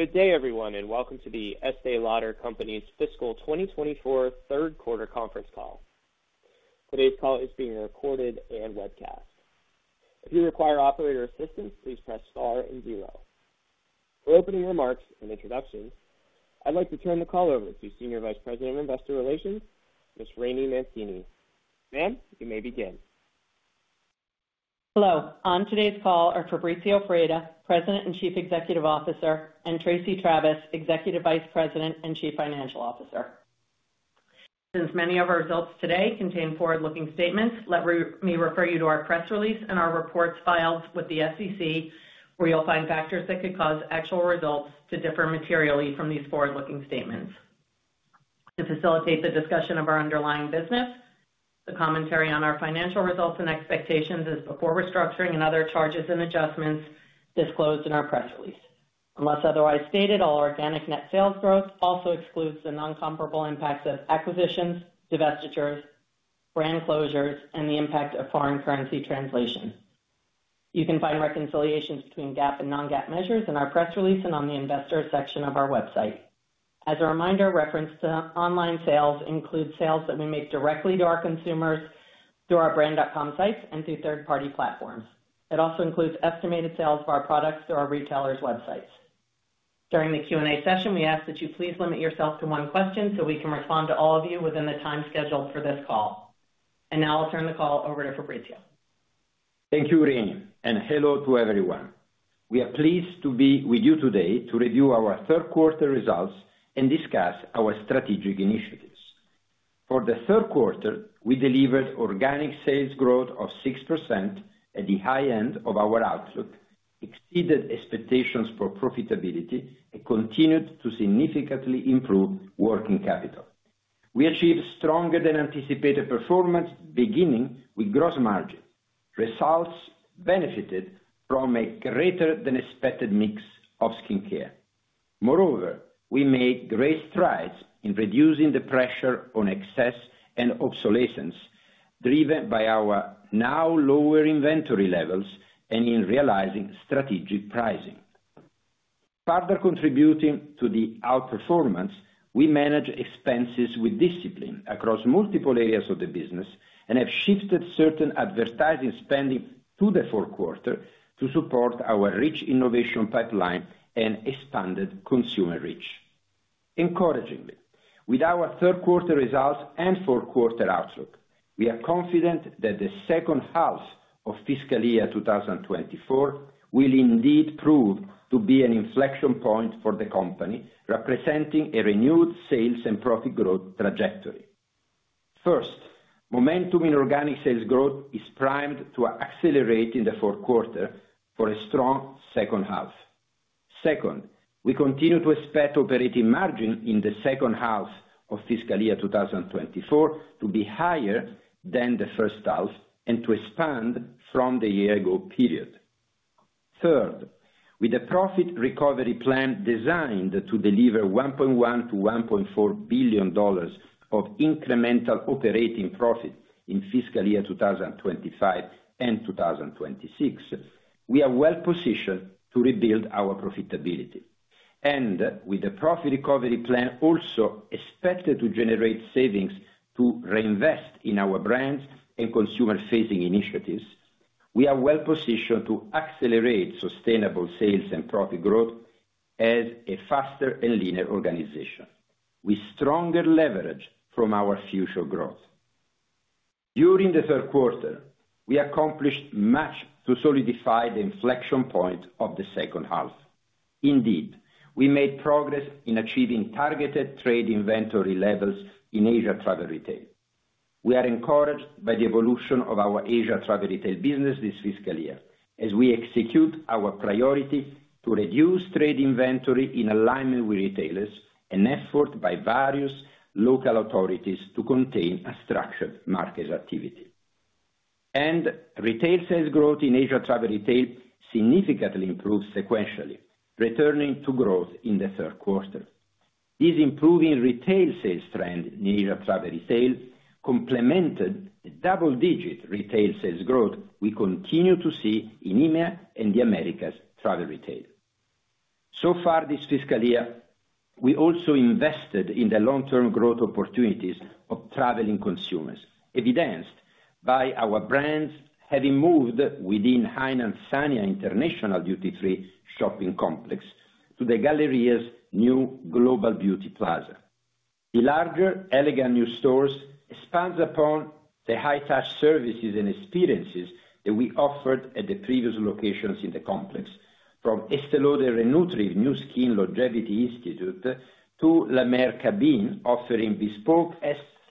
Good day, everyone, and welcome to The Estée Lauder Companies' fiscal 2024 third quarter conference call. Today's call is being recorded and webcast. If you require operator assistance, please press star and zero. For opening remarks and introductions, I'd like to turn the call over to Senior Vice President of Investor Relations, Ms. Rainey Mancini. Ma'am, you may begin. Hello. On today's call are Fabrizio Freda, President and Chief Executive Officer, and Tracey Travis, Executive Vice President and Chief Financial Officer. Since many of our results today contain forward-looking statements, let me refer you to our press release and our reports filed with the SEC, where you'll find factors that could cause actual results to differ materially from these forward-looking statements. To facilitate the discussion of our underlying business, the commentary on our financial results and expectations is before restructuring and other charges and adjustments disclosed in our press release. Unless otherwise stated, all organic net sales growth also excludes the non-comparable impacts of acquisitions, divestitures, brand closures, and the impact of foreign currency translation. You can find reconciliations between GAAP and non-GAAP measures in our press release and on the investor section of our website. As a reminder, reference to online sales includes sales that we make directly to our consumers through our brand.com sites and through third-party platforms. It also includes estimated sales for our products through our retailers' websites. During the Q&A session, we ask that you please limit yourself to one question, so we can respond to all of you within the time scheduled for this call. Now I'll turn the call over to Fabrizio. Thank you, Rainey, and hello to everyone. We are pleased to be with you today to review our third quarter results and discuss our strategic initiatives. For the third quarter, we delivered organic sales growth of 6% at the high end of our outlook, exceeded expectations for profitability, and continued to significantly improve working capital. We achieved stronger than anticipated performance, beginning with gross margin. Results benefited from a greater than expected mix of skincare. Moreover, we made great strides in reducing the pressure on excess and obsolescence, driven by our now lower inventory levels and in realizing strategic pricing. Further contributing to the outperformance, we manage expenses with discipline across multiple areas of the business and have shifted certain advertising spending to the fourth quarter to support our rich innovation pipeline and expanded consumer reach. Encouragingly, with our third quarter results and fourth quarter outlook, we are confident that the second half of fiscal year 2024 will indeed prove to be an inflection point for the company, representing a renewed sales and profit growth trajectory. First, momentum in organic sales growth is primed to accelerate in the fourth quarter for a strong second half. Second, we continue to expect operating margin in the second half of fiscal year 2024 to be higher than the first half and to expand from the year ago period. Third, with a Profit Recovery Plan designed to deliver $1.1 billion-$1.4 billion of incremental operating profit in fiscal year 2025 and 2026, we are well positioned to rebuild our profitability. With the Profit Recovery Plan also expected to generate savings to reinvest in our brands and consumer-facing initiatives, we are well positioned to accelerate sustainable sales and profit growth as a faster and leaner organization, with stronger leverage from our future growth. During the third quarter, we accomplished much to solidify the inflection point of the second half. Indeed, we made progress in achieving targeted trade inventory levels in Asia Travel Retail. We are encouraged by the evolution of our Asia Travel Retail business this fiscal year, as we execute our priority to reduce trade inventory in alignment with retailers, an effort by various local authorities to contain a structured market activity. Retail sales growth in Asia Travel Retail significantly improved sequentially, returning to growth in the third quarter. This improving retail sales trend in Asia Travel Retail complemented the double-digit retail sales growth we continue to see in EMEA and the Americas travel retail. So far this fiscal year, we also invested in the long-term growth opportunities of traveling consumers, evidenced by our brands having moved within Hainan Sanya International Duty Free Shopping Complex to the galleria's new Global Beauty Plaza. The larger, elegant new stores expands upon the high-touch services and experiences that we offered at the previous locations in the complex, from Estée Lauder Re-Nutriv new Skin Longevity Institute to La Mer Cabin, offering bespoke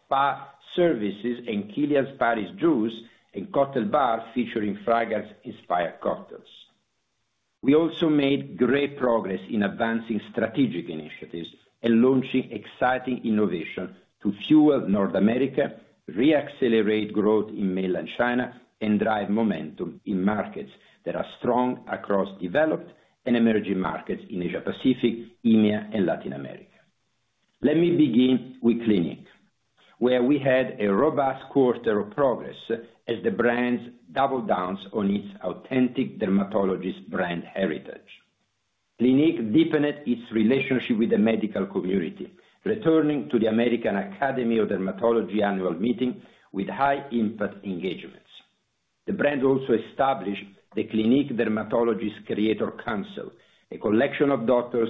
spa services and KILIAN PARIS Juice, a cocktail bar featuring fragrance-inspired cocktails. We also made great progress in advancing strategic initiatives and launching exciting innovation to fuel North America, re-accelerate growth in Mainland China, and drive momentum in markets that are strong across developed and emerging markets in Asia Pacific, EMEA, and Latin America. Let me begin with Clinique, where we had a robust quarter of progress as the brand doubles down on its authentic dermatologist brand heritage. Clinique deepened its relationship with the medical community, returning to the American Academy of Dermatology annual meeting with high impact engagements. The brand also established the Clinique Dermatologist Creator Council, a collection of doctors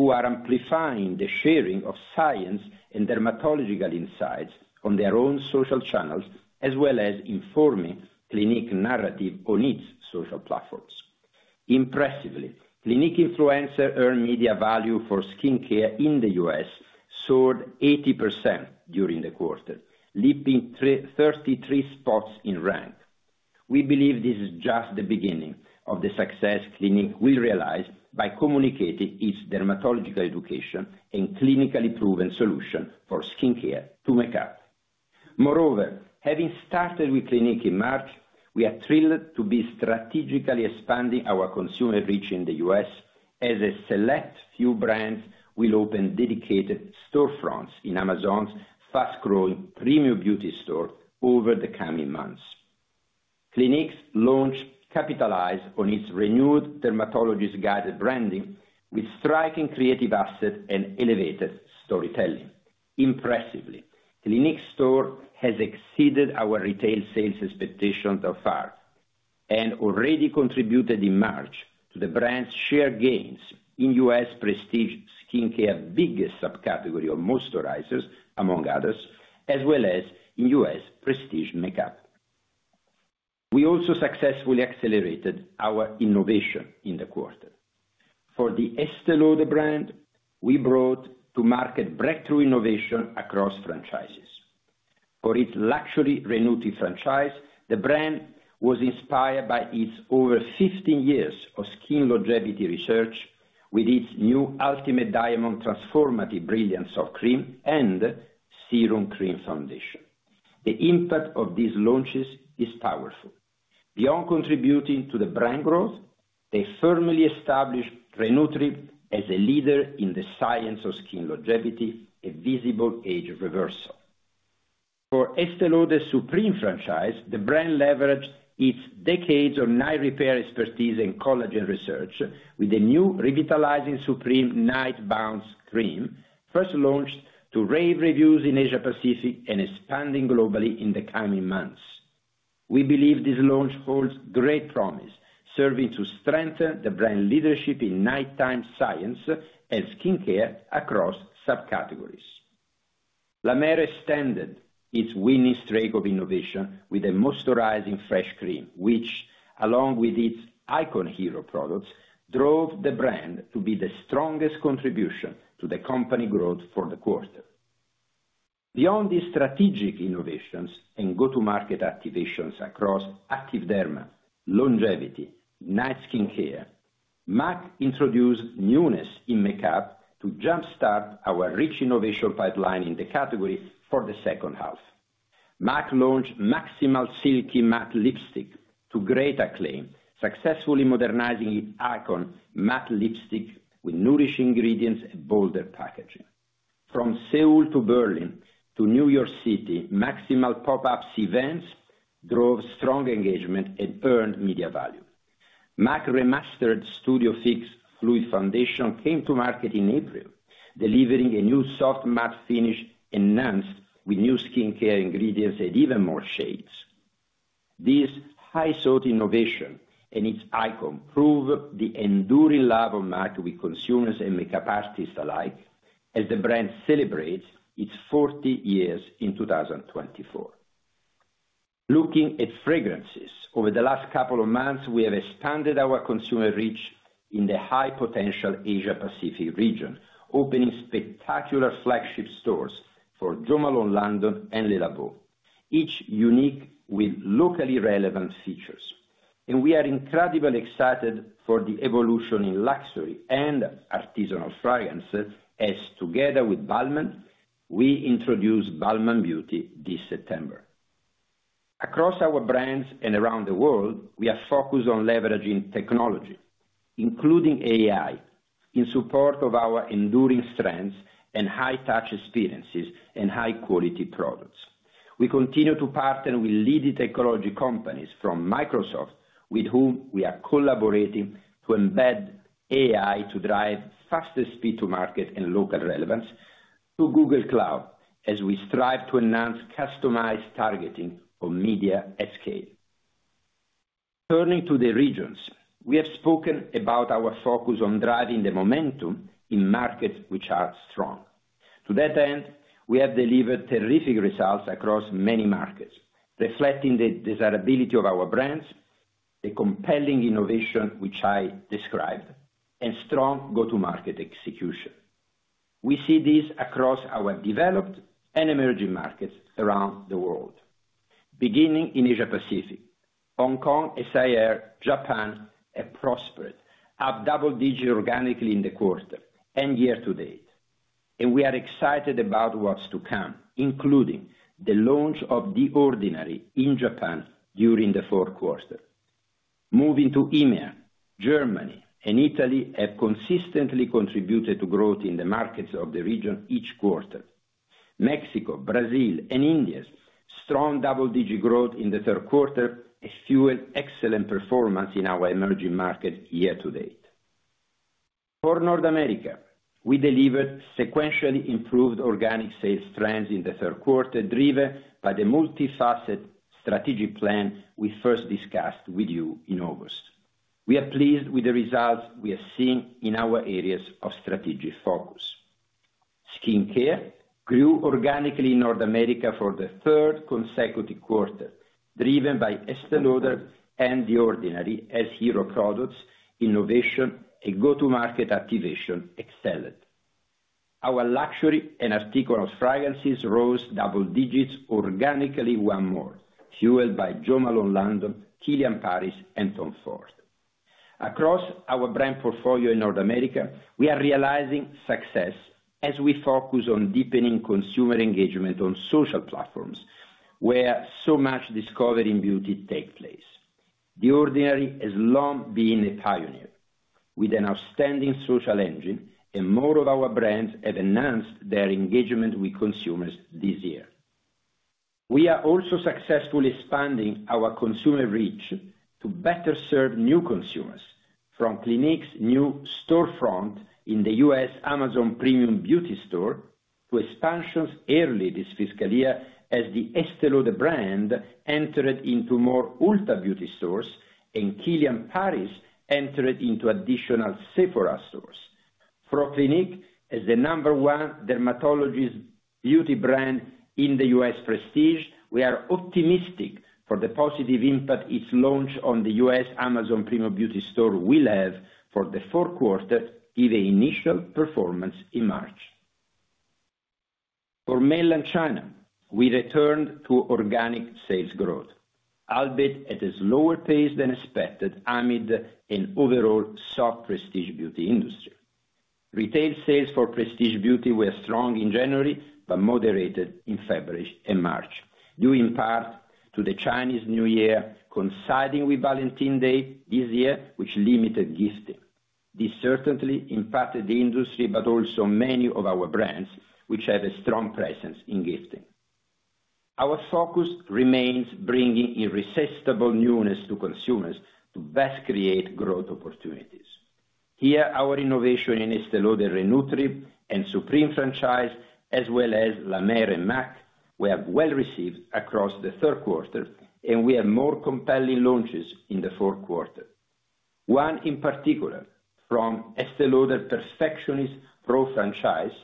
who are amplifying the sharing of science and dermatological insights on their own social channels, as well as informing Clinique narrative on its social platforms. Impressively, Clinique influencer earned media value for skincare in the U.S. soared 80% during the quarter, leaping 33 spots in rank. We believe this is just the beginning of the success Clinique will realize by communicating its dermatological education and clinically proven solution for skincare to make up. Moreover, having started with Clinique in March, we are thrilled to be strategically expanding our consumer reach in the U.S., as a select few brands will open dedicated storefronts in Amazon's fast-growing Premium Beauty Store over the coming months. Clinique's launch capitalized on its renewed dermatologist-guided branding with striking creative asset and elevated storytelling. Impressively, Clinique store has exceeded our retail sales expectations so far, and already contributed in March to the brand's share gains in U.S. prestige skincare, biggest subcategory of moisturizers, among others, as well as in U.S. prestige makeup. We also successfully accelerated our innovation in the quarter. For the Estée Lauder brand, we brought to market breakthrough innovation across franchises. For its luxury Re-Nutriv franchise, the brand was inspired by its over 15 years of skin longevity research with its new Ultimate Diamond Transformative Brilliance Soft Creme. The impact of these launches is powerful. Beyond contributing to the brand growth, they firmly established Re-Nutriv as a leader in the science of skin longevity, a visible age reversal. For Estée Lauder Supreme franchise, the brand leveraged its decades of night repair expertise in collagen research with a new Revitalizing Supreme Night Bounce Creme, first launched to rave reviews in Asia Pacific and expanding globally in the coming months. We believe this launch holds great promise, serving to strengthen the brand leadership in nighttime science and skincare across subcategories. La Mer extended its winning streak of innovation with a moisturizing fresh cream, which along with its icon hero products, drove the brand to be the strongest contribution to the company growth for the quarter. Beyond these strategic innovations and go-to-market activations across Active Derma, longevity, night skincare, MAC introduced newness in makeup to jumpstart our rich innovation pipeline in the category for the second half. MAC launched M·A·Cximal Silky Matte Lipstick to great acclaim, successfully modernizing its icon matte lipstick with nourishing ingredients and bolder packaging. From Seoul to Berlin to New York City, M·A·Cximal pop-up events drove strong engagement and earned media value. MAC remastered Studio Fix Fluid Foundation came to market in April, delivering a new soft matte finish, enhanced with new skincare ingredients and even more shades. This high sought innovation and its icon prove the enduring love of MAC with consumers and makeup artists alike, as the brand celebrates its 40 years in 2024. Looking at fragrances, over the last couple of months, we have expanded our consumer reach in the high potential Asia Pacific region, opening spectacular flagship stores for Jo Malone London and Le Labo, each unique with locally relevant features. We are incredibly excited for the evolution in luxury and artisanal fragrances as together with Balmain, we introduce Balmain Beauty this September. Across our brands and around the world, we are focused on leveraging technology, including AI, in support of our enduring strengths and high touch experiences and high quality products. We continue to partner with leading technology companies from Microsoft, with whom we are collaborating to embed AI to drive faster speed to market and local relevance, to Google Cloud, as we strive to enhance customized targeting of media at scale. Turning to the regions, we have spoken about our focus on driving the momentum in markets which are strong. To that end, we have delivered terrific results across many markets, reflecting the desirability of our brands, the compelling innovation which I described, and strong go-to-market execution. We see this across our developed and emerging markets around the world. Beginning in Asia Pacific, Hong Kong SAR, Japan, have prospered, up double-digit organically in the quarter and year to date, and we are excited about what's to come, including the launch of The Ordinary in Japan during the fourth quarter. Moving to EMEA, Germany and Italy have consistently contributed to growth in the markets of the region each quarter. Mexico, Brazil, and India's strong double-digit growth in the third quarter has fueled excellent performance in our emerging markets year to date. For North America, we delivered sequentially improved organic sales trends in the third quarter, driven by the multifaceted strategic plan we first discussed with you in August. We are pleased with the results we are seeing in our areas of strategic focus. Skincare grew organically in North America for the third consecutive quarter, driven by Estée Lauder and The Ordinary as hero products, innovation, and go-to-market activation excelled. Our luxury and prestige fragrances rose double digits organically once more, fueled by Jo Malone London, Kilian Paris, and Tom Ford. Across our brand portfolio in North America, we are realizing success as we focus on deepening consumer engagement on social platforms, where so much discovery in beauty takes place. The Ordinary has long been a pioneer, with an outstanding social engine, and more of our brands have enhanced their engagement with consumers this year. We are also successfully expanding our consumer reach to better serve new consumers, from Clinique's new storefront in the U.S. Amazon Premium Beauty Store, to expansions early this fiscal year as the Estée Lauder brand entered into more Ulta Beauty stores, and Kilian Paris entered into additional Sephora stores. For Clinique, as the number one dermatologist beauty brand in the U.S. prestige, we are optimistic for the positive impact its launch on the U.S. Amazon Premium Beauty Store will have for the fourth quarter, given initial performance in March. For Mainland China, we returned to organic sales growth, albeit at a slower pace than expected amid an overall soft prestige beauty industry. Retail sales for prestige beauty were strong in January, but moderated in February and March, due in part to the Chinese New Year coinciding with Valentine's Day this year, which limited gifting. This certainly impacted the industry, but also many of our brands, which had a strong presence in gifting. Our focus remains bringing irresistible newness to consumers to best create growth opportunities. Here, our innovation in Estée Lauder Re-Nutriv and Supreme franchise, as well as La Mer and MAC, were well-received across the third quarter, and we have more compelling launches in the fourth quarter. One, in particular, from Estée Lauder Perfectionist Pro franchise,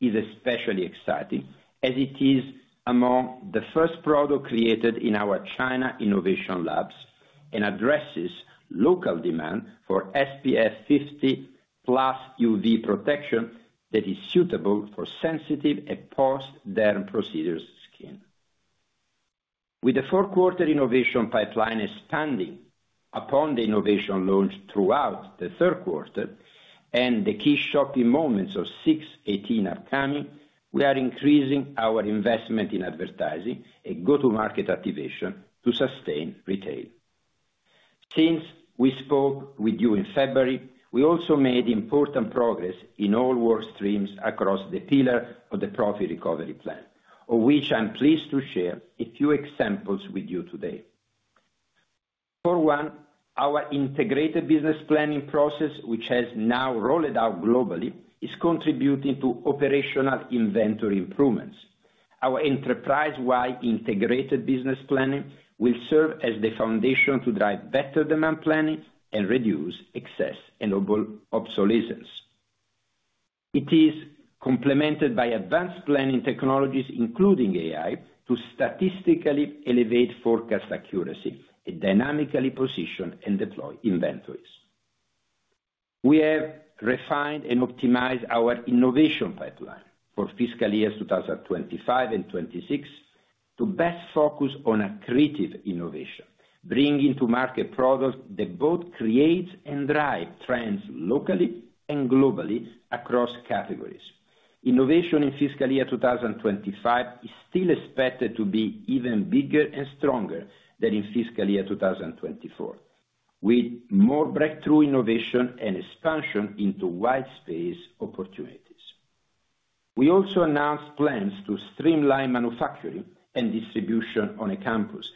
is especially exciting, as it is among the first product created in our China innovation labs, and addresses local demand for SPF 50+ UV protection that is suitable for sensitive and post-derm procedures skin. With the fourth quarter innovation pipeline expanding upon the innovation launch throughout the third quarter, and the key shopping moments of 6.18 are coming, we are increasing our investment in advertising and go-to-market activation to sustain retail. Since we spoke with you in February, we also made important progress in all work streams across the pillar of the Profit Recovery Plan, of which I'm pleased to share a few examples with you today. For one, our Integrated Business Planning process, which has now rolled out globally, is contributing to operational inventory improvements. Our enterprise-wide integrated business planning will serve as the foundation to drive better demand planning and reduce excess and global obsolescence. It is complemented by advanced planning technologies, including AI, to statistically elevate forecast accuracy and dynamically position and deploy inventories. We have refined and optimized our innovation pipeline for fiscal years 2025 and 2026 to best focus on accretive innovation, bringing to market products that both create and drive trends locally and globally across categories. Innovation in fiscal year 2025 is still expected to be even bigger and stronger than in fiscal year 2024, with more breakthrough innovation and expansion into wide space opportunities. We also announced plans to streamline manufacturing and distribution on a campus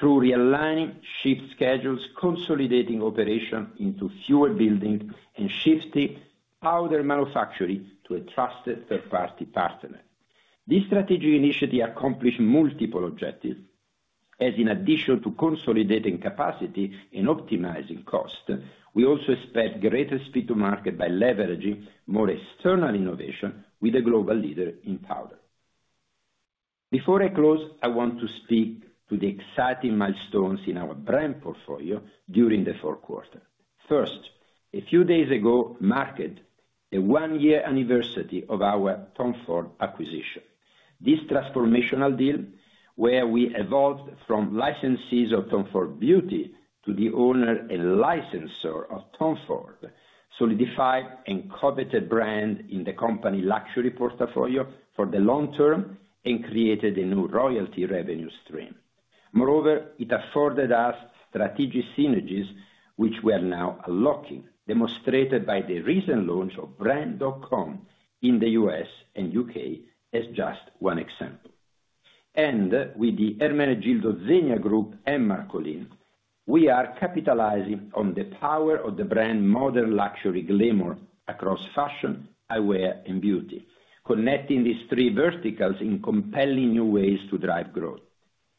through realigning shift schedules, consolidating operation into fewer buildings, and shifting powder manufacturing to a trusted third-party partner. This strategic initiative accomplished multiple objectives, as in addition to consolidating capacity and optimizing cost, we also expect greater speed to market by leveraging more external innovation with a global leader in powder. Before I close, I want to speak to the exciting milestones in our brand portfolio during the fourth quarter. First, a few days ago marked the one-year anniversary of our Tom Ford acquisition. This transformational deal, where we evolved from licensees of Tom Ford Beauty to the owner and licensor of Tom Ford, solidified a coveted brand in the company luxury portfolio for the long-term and created a new royalty revenue stream. Moreover, it afforded us strategic synergies, which we are now unlocking, demonstrated by the recent launch of brand.com in the U.S. and U.K. as just one example. With the Ermenegildo Zegna Group and Marcolin, we are capitalizing on the power of the brand modern luxury glamour across fashion, eyewear, and beauty, connecting these three verticals in compelling new ways to drive growth.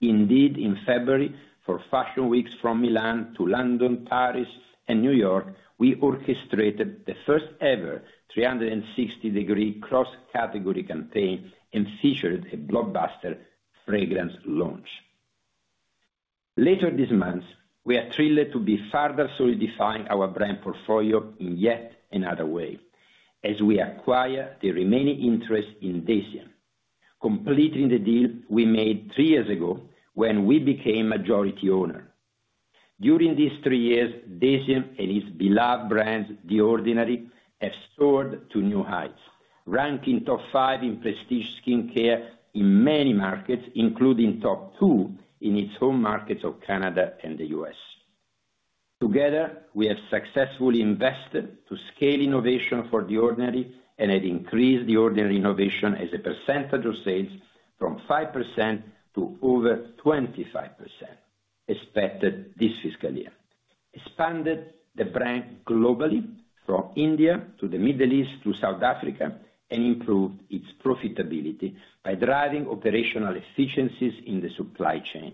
Indeed, in February, for Fashion Weeks from Milan to London, Paris, and New York, we orchestrated the first-ever 360-degree cross-category campaign and featured a blockbuster fragrance launch. Later this month, we are thrilled to be further solidifying our brand portfolio in yet another way, as we acquire the remaining interest in DECIEM, completing the deal we made three years ago when we became majority owner. During these three years, DECIEM and its beloved brand, The Ordinary, have soared to new heights, ranking top five in prestige skincare in many markets, including top two in its home markets of Canada and the U.S. Together, we have successfully invested to scale innovation for The Ordinary and have increased The Ordinary innovation as a percentage of sales from 5% to over 25%, expected this fiscal year, expanded the brand globally from India to the Middle East to South Africa, and improved its profitability by driving operational efficiencies in the supply chain.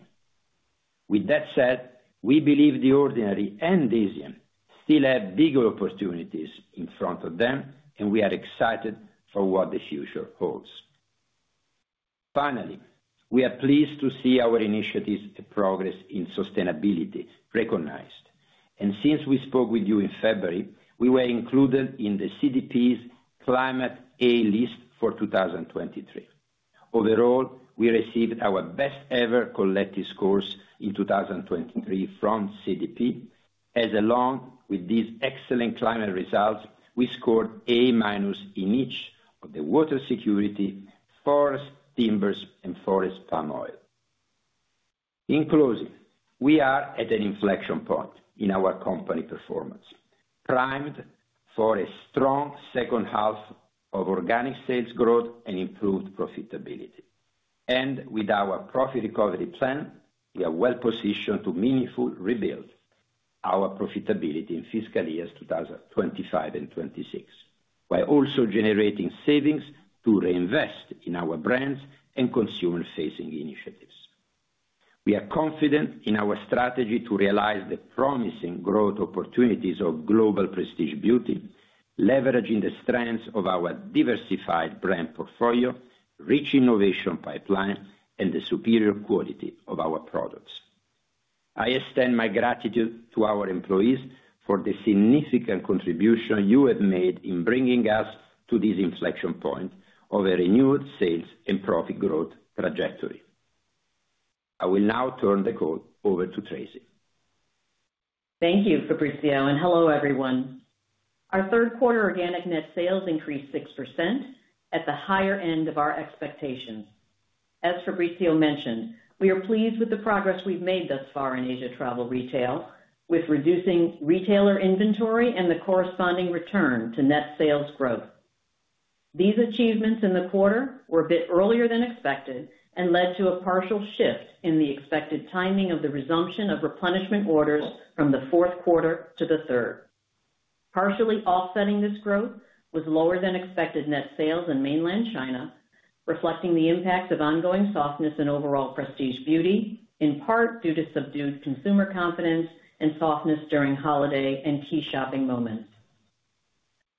With that said, we believe The Ordinary and DECIEM still have bigger opportunities in front of them, and we are excited for what the future holds. Finally, we are pleased to see our initiatives and progress in sustainability recognized, and since we spoke with you in February, we were included in the CDP's Climate A List for 2023. Overall, we received our best ever collective scores in 2023 from CDP, as well as these excellent climate results, we scored A- in each of the water security, forest timbers, and forest palm oil. In closing, we are at an inflection point in our company performance, primed for a strong second half of organic sales growth and improved profitability. And with our Profit Recovery Plan, we are well positioned to meaningfully rebuild our profitability in fiscal years 2025 and 2026, while also generating savings to reinvest in our brands and consumer-facing initiatives. We are confident in our strategy to realize the promising growth opportunities of global prestige beauty, leveraging the strengths of our diversified brand portfolio, rich innovation pipeline, and the superior quality of our products. I extend my gratitude to our employees for the significant contribution you have made in bringing us to this inflection point of a renewed sales and profit growth trajectory. I will now turn the call over to Tracey. Thank you, Fabrizio, and hello, everyone. Our third quarter organic net sales increased 6% at the higher end of our expectations. As Fabrizio mentioned, we are pleased with the progress we've made thus far in Asia Travel Retail, with reducing retailer inventory and the corresponding return to net sales growth. These achievements in the quarter were a bit earlier than expected and led to a partial shift in the expected timing of the resumption of replenishment orders from the fourth quarter to the third. Partially offsetting this growth was lower than expected net sales in Mainland China, reflecting the impact of ongoing softness in overall Prestige Beauty, in part due to subdued consumer confidence and softness during holiday and key shopping moments.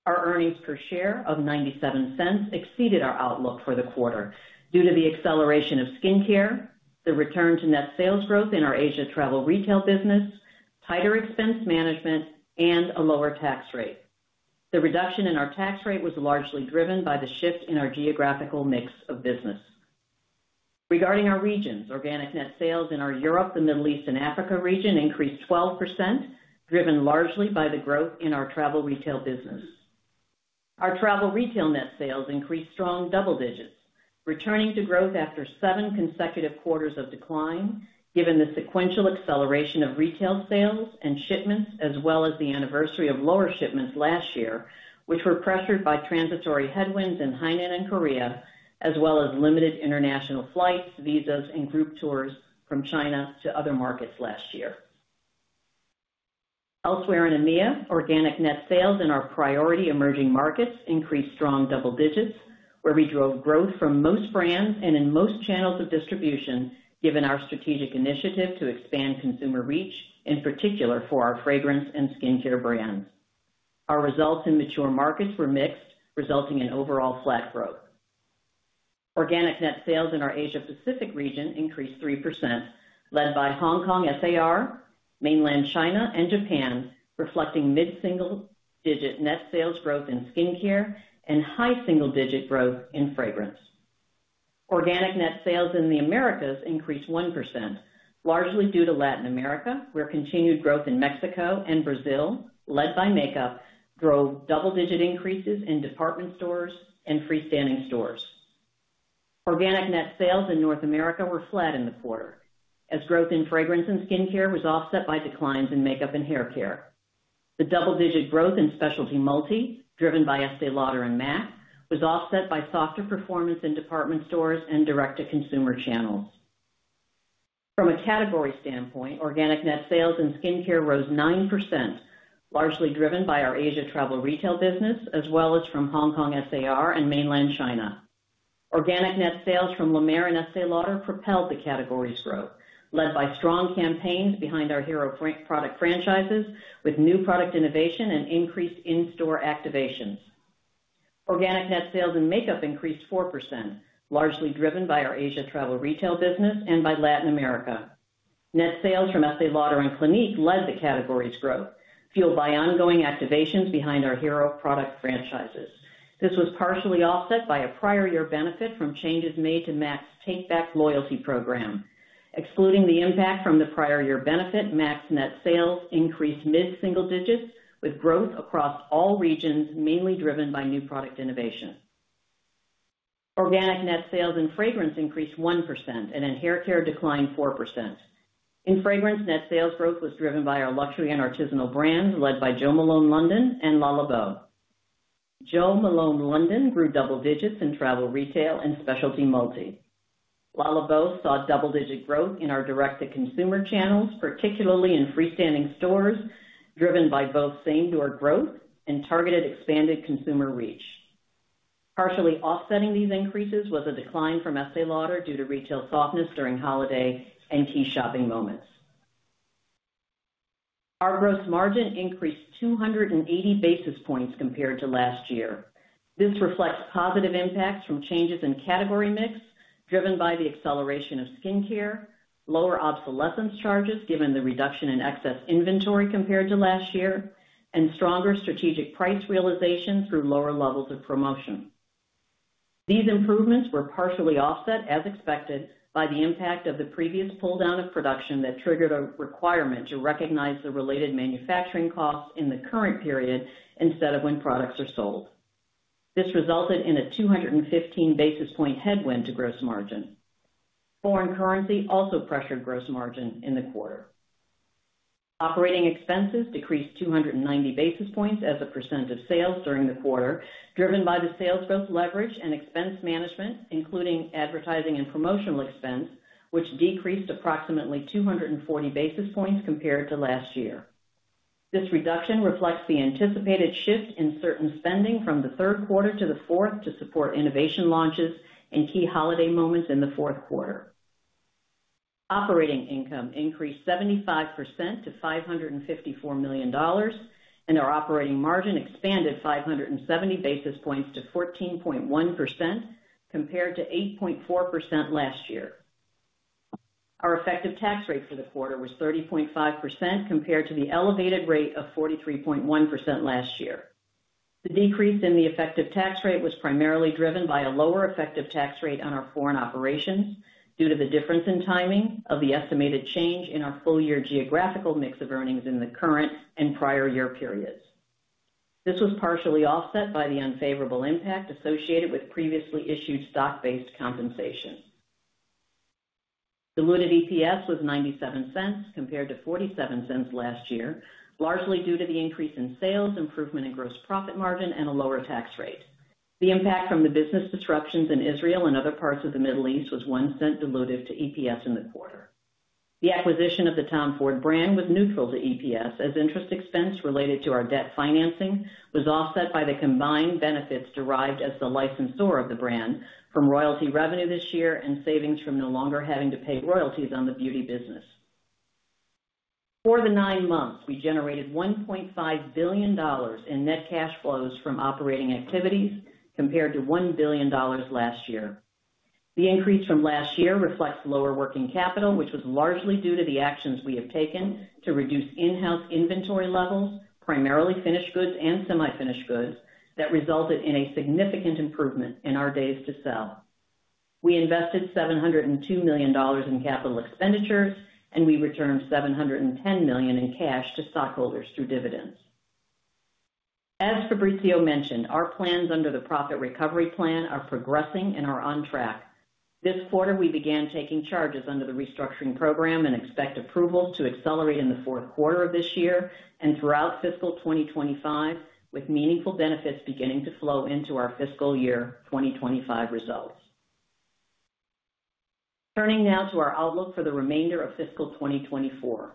Our earnings per share of $0.97 exceeded our outlook for the quarter due to the acceleration of skincare, the return to net sales growth in our Asia Travel Retail business, tighter expense management, and a lower tax rate. The reduction in our tax rate was largely driven by the shift in our geographical mix of business. Regarding our regions, organic net sales in our Europe, the Middle East, and Africa region increased 12%, driven largely by the growth in our travel retail business. Our travel retail net sales increased strong double digits, returning to growth after 7 consecutive quarters of decline, given the sequential acceleration of retail sales and shipments, as well as the anniversary of lower shipments last year, which were pressured by transitory headwinds in Hainan and Korea, as well as limited international flights, visas, and group tours from China to other markets last year. Elsewhere in EMEA, organic net sales in our priority emerging markets increased strong double digits, where we drove growth from most brands and in most channels of distribution, given our strategic initiative to expand consumer reach, in particular for our fragrance and skincare brands. Our results in mature markets were mixed, resulting in overall flat growth. Organic net sales in our Asia Pacific region increased 3%, led by Hong Kong, SAR, Mainland China, and Japan, reflecting mid-single digit net sales growth in skincare and high single-digit growth in fragrance. Organic net sales in the Americas increased 1%, largely due to Latin America, where continued growth in Mexico and Brazil, led by makeup, drove double-digit increases in department stores and freestanding stores. Organic net sales in North America were flat in the quarter, as growth in fragrance and skincare was offset by declines in makeup and hair care. The double-digit growth in specialty multi, driven by Estée Lauder and MAC, was offset by softer performance in department stores and direct-to-consumer channels. From a category standpoint, organic net sales in skincare rose 9%, largely driven by our Asia Travel Retail business, as well as from Hong Kong, SAR, and Mainland China. Organic net sales from La Mer and Estée Lauder propelled the category's growth, led by strong campaigns behind our hero product franchises, with new product innovation and increased in-store activations. Organic net sales in makeup increased 4%, largely driven by our Asia Travel Retail business and by Latin America. Net sales from Estée Lauder and Clinique led the category's growth, fueled by ongoing activations behind our hero product franchises. This was partially offset by a prior year benefit from changes made to MAC's take back loyalty program. Excluding the impact from the prior year benefit, MAC's net sales increased mid-single digits, with growth across all regions, mainly driven by new product innovation. Organic net sales in fragrance increased 1% and in hair care, declined 4%. In fragrance, net sales growth was driven by our luxury and artisanal brands, led by Jo Malone London and Le Labo. Jo Malone London grew double digits in travel retail and specialty multi. Le Labo saw double-digit growth in our direct-to-consumer channels, particularly in freestanding stores, driven by both same-door growth and targeted expanded consumer reach. Partially offsetting these increases was a decline from Estée Lauder due to retail softness during holiday and key shopping moments. Our gross margin increased 280 basis points compared to last year. This reflects positive impacts from changes in category mix, driven by the acceleration of skincare, lower obsolescence charges, given the reduction in excess inventory compared to last year, and stronger strategic price realization through lower levels of promotion. These improvements were partially offset, as expected, by the impact of the previous pull-down of production that triggered a requirement to recognize the related manufacturing costs in the current period instead of when products are sold. This resulted in a 215 basis point headwind to gross margin. Foreign currency also pressured gross margin in the quarter. Operating expenses decreased 290 basis points as a percent of sales during the quarter, driven by the sales growth leverage and expense management, including advertising and promotional expense, which decreased approximately 240 basis points compared to last year. This reduction reflects the anticipated shift in certain spending from the third quarter to the fourth to support innovation launches and key holiday moments in the fourth quarter. Operating income increased 75% to $554 million, and our operating margin expanded 570 basis points to 14.1%, compared to 8.4% last year. Our effective tax rate for the quarter was 30.5%, compared to the elevated rate of 43.1% last year. The decrease in the effective tax rate was primarily driven by a lower effective tax rate on our foreign operations due to the difference in timing of the estimated change in our full-year geographical mix of earnings in the current and prior year periods. This was partially offset by the unfavorable impact associated with previously issued stock-based compensation. Diluted EPS was $0.97, compared to $0.47 last year, largely due to the increase in sales, improvement in gross profit margin, and a lower tax rate. The impact from the business disruptions in Israel and other parts of the Middle East was $0.01 dilutive to EPS in the quarter. The acquisition of the Tom Ford brand was neutral to EPS, as interest expense related to our debt financing was offset by the combined benefits derived as the licensor of the brand from royalty revenue this year and savings from no longer having to pay royalties on the beauty business. For the nine months, we generated $1.5 billion in net cash flows from operating activities, compared to $1 billion last year. The increase from last year reflects lower working capital, which was largely due to the actions we have taken to reduce in-house inventory levels, primarily finished goods and semi-finished goods, that resulted in a significant improvement in our days to sell. We invested $702 million in capital expenditures, and we returned $710 million in cash to stockholders through dividends. As Fabrizio mentioned, our plans under the Profit Recovery Plan are progressing and are on track. This quarter, we began taking charges under the restructuring program and expect approval to accelerate in the fourth quarter of this year and throughout fiscal 2025, with meaningful benefits beginning to flow into our fiscal year 2025 results. Turning now to our outlook for the remainder of fiscal 2024.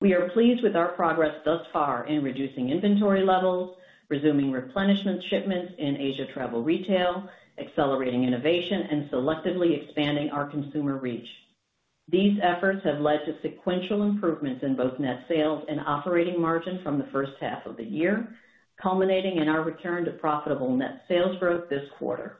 We are pleased with our progress thus far in reducing inventory levels, resuming replenishment shipments in Asia Travel Retail, accelerating innovation, and selectively expanding our consumer reach. These efforts have led to sequential improvements in both net sales and operating margin from the first half of the year, culminating in our return to profitable net sales growth this quarter.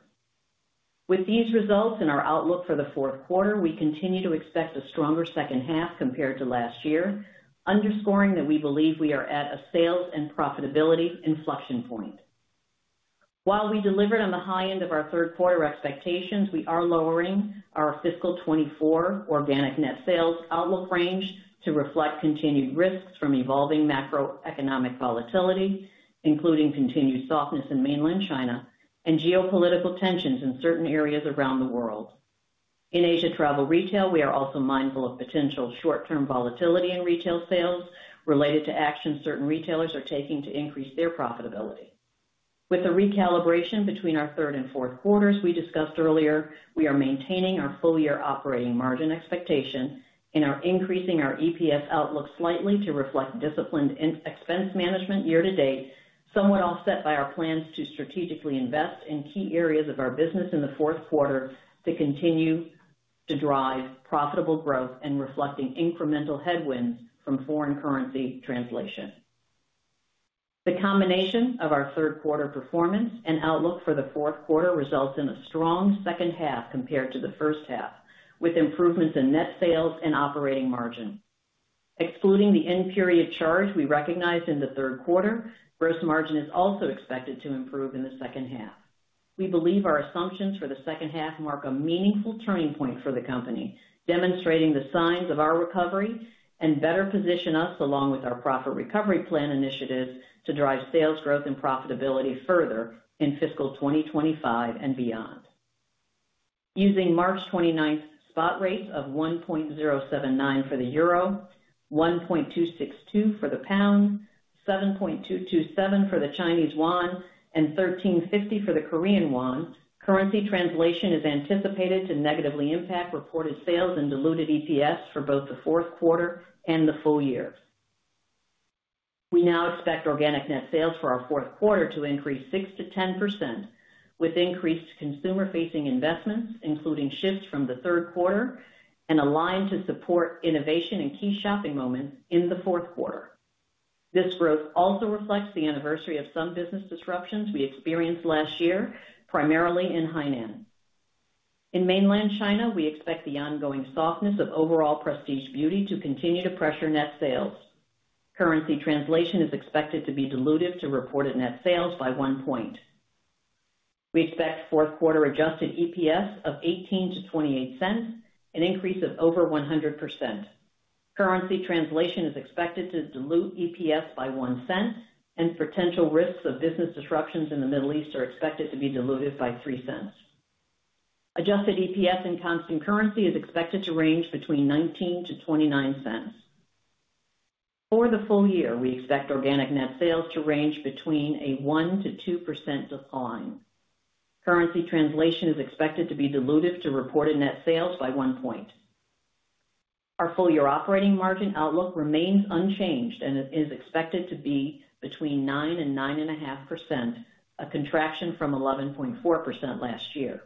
With these results in our outlook for the fourth quarter, we continue to expect a stronger second half compared to last year, underscoring that we believe we are at a sales and profitability inflection point. While we delivered on the high end of our third quarter expectations, we are lowering our fiscal 2024 organic net sales outlook range to reflect continued risks from evolving macroeconomic volatility, including continued softness in Mainland China and geopolitical tensions in certain areas around the world. In Asia Travel Retail, we are also mindful of potential short-term volatility in retail sales related to actions certain retailers are taking to increase their profitability. With the recalibration between our third and fourth quarters we discussed earlier, we are maintaining our full-year operating margin expectations and are increasing our EPS outlook slightly to reflect disciplined expense management year to date, somewhat offset by our plans to strategically invest in key areas of our business in the fourth quarter to continue to drive profitable growth and reflecting incremental headwinds from foreign currency translation. The combination of our third quarter performance and outlook for the fourth quarter results in a strong second half compared to the first half, with improvements in net sales and operating margin. Excluding the end-period charge we recognized in the third quarter, gross margin is also expected to improve in the second half. We believe our assumptions for the second half mark a meaningful turning point for the company, demonstrating the signs of our recovery and better position us, along with our Profit Recovery Plan initiatives, to drive sales growth and profitability further in fiscal 2025 and beyond. Using March 29th spot rates of 1.079 for the euro, 1.262 for the pound, 7.227 for the Chinese yuan, and 13.50 for the Korean won, currency translation is anticipated to negatively impact reported sales and diluted EPS for both the fourth quarter and the full year. We now expect organic net sales for our fourth quarter to increase 6%-10%, with increased consumer-facing investments, including shifts from the third quarter, and aligned to support innovation and key shopping moments in the fourth quarter. This growth also reflects the anniversary of some business disruptions we experienced last year, primarily in Hainan. In Mainland China, we expect the ongoing softness of overall prestige beauty to continue to pressure net sales. Currency translation is expected to be dilutive to reported net sales by 1%. We expect fourth quarter Adjusted EPS of $0.18-$0.28, an increase of over 100%. Currency translation is expected to dilute EPS by $0.01, and potential risks of business disruptions in the Middle East are expected to be dilutive by $0.03. Adjusted EPS and constant currency is expected to range between $0.19-$0.29. For the full year, we expect organic net sales to range between a 1%-2% decline. Currency translation is expected to be dilutive to reported net sales by 1 point. Our full-year operating margin outlook remains unchanged and is expected to be between 9%-9.5%, a contraction from 11.4% last year.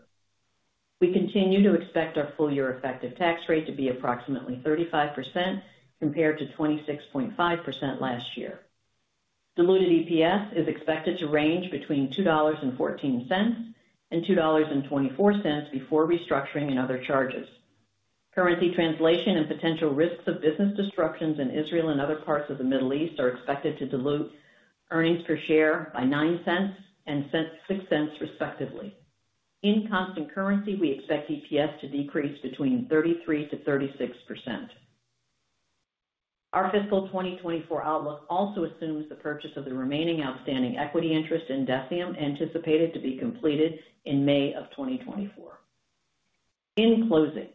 We continue to expect our full-year effective tax rate to be approximately 35%, compared to 26.5% last year. Diluted EPS is expected to range between $2.14 and $2.24 before restructuring and other charges. Currency translation and potential risks of business disruptions in Israel and other parts of the Middle East are expected to dilute earnings per share by $0.09 and $0.06, respectively. In constant currency, we expect EPS to decrease between 33%-36%. Our fiscal 2024 outlook also assumes the purchase of the remaining outstanding equity interest in DECIEM, anticipated to be completed in May 2024. In closing,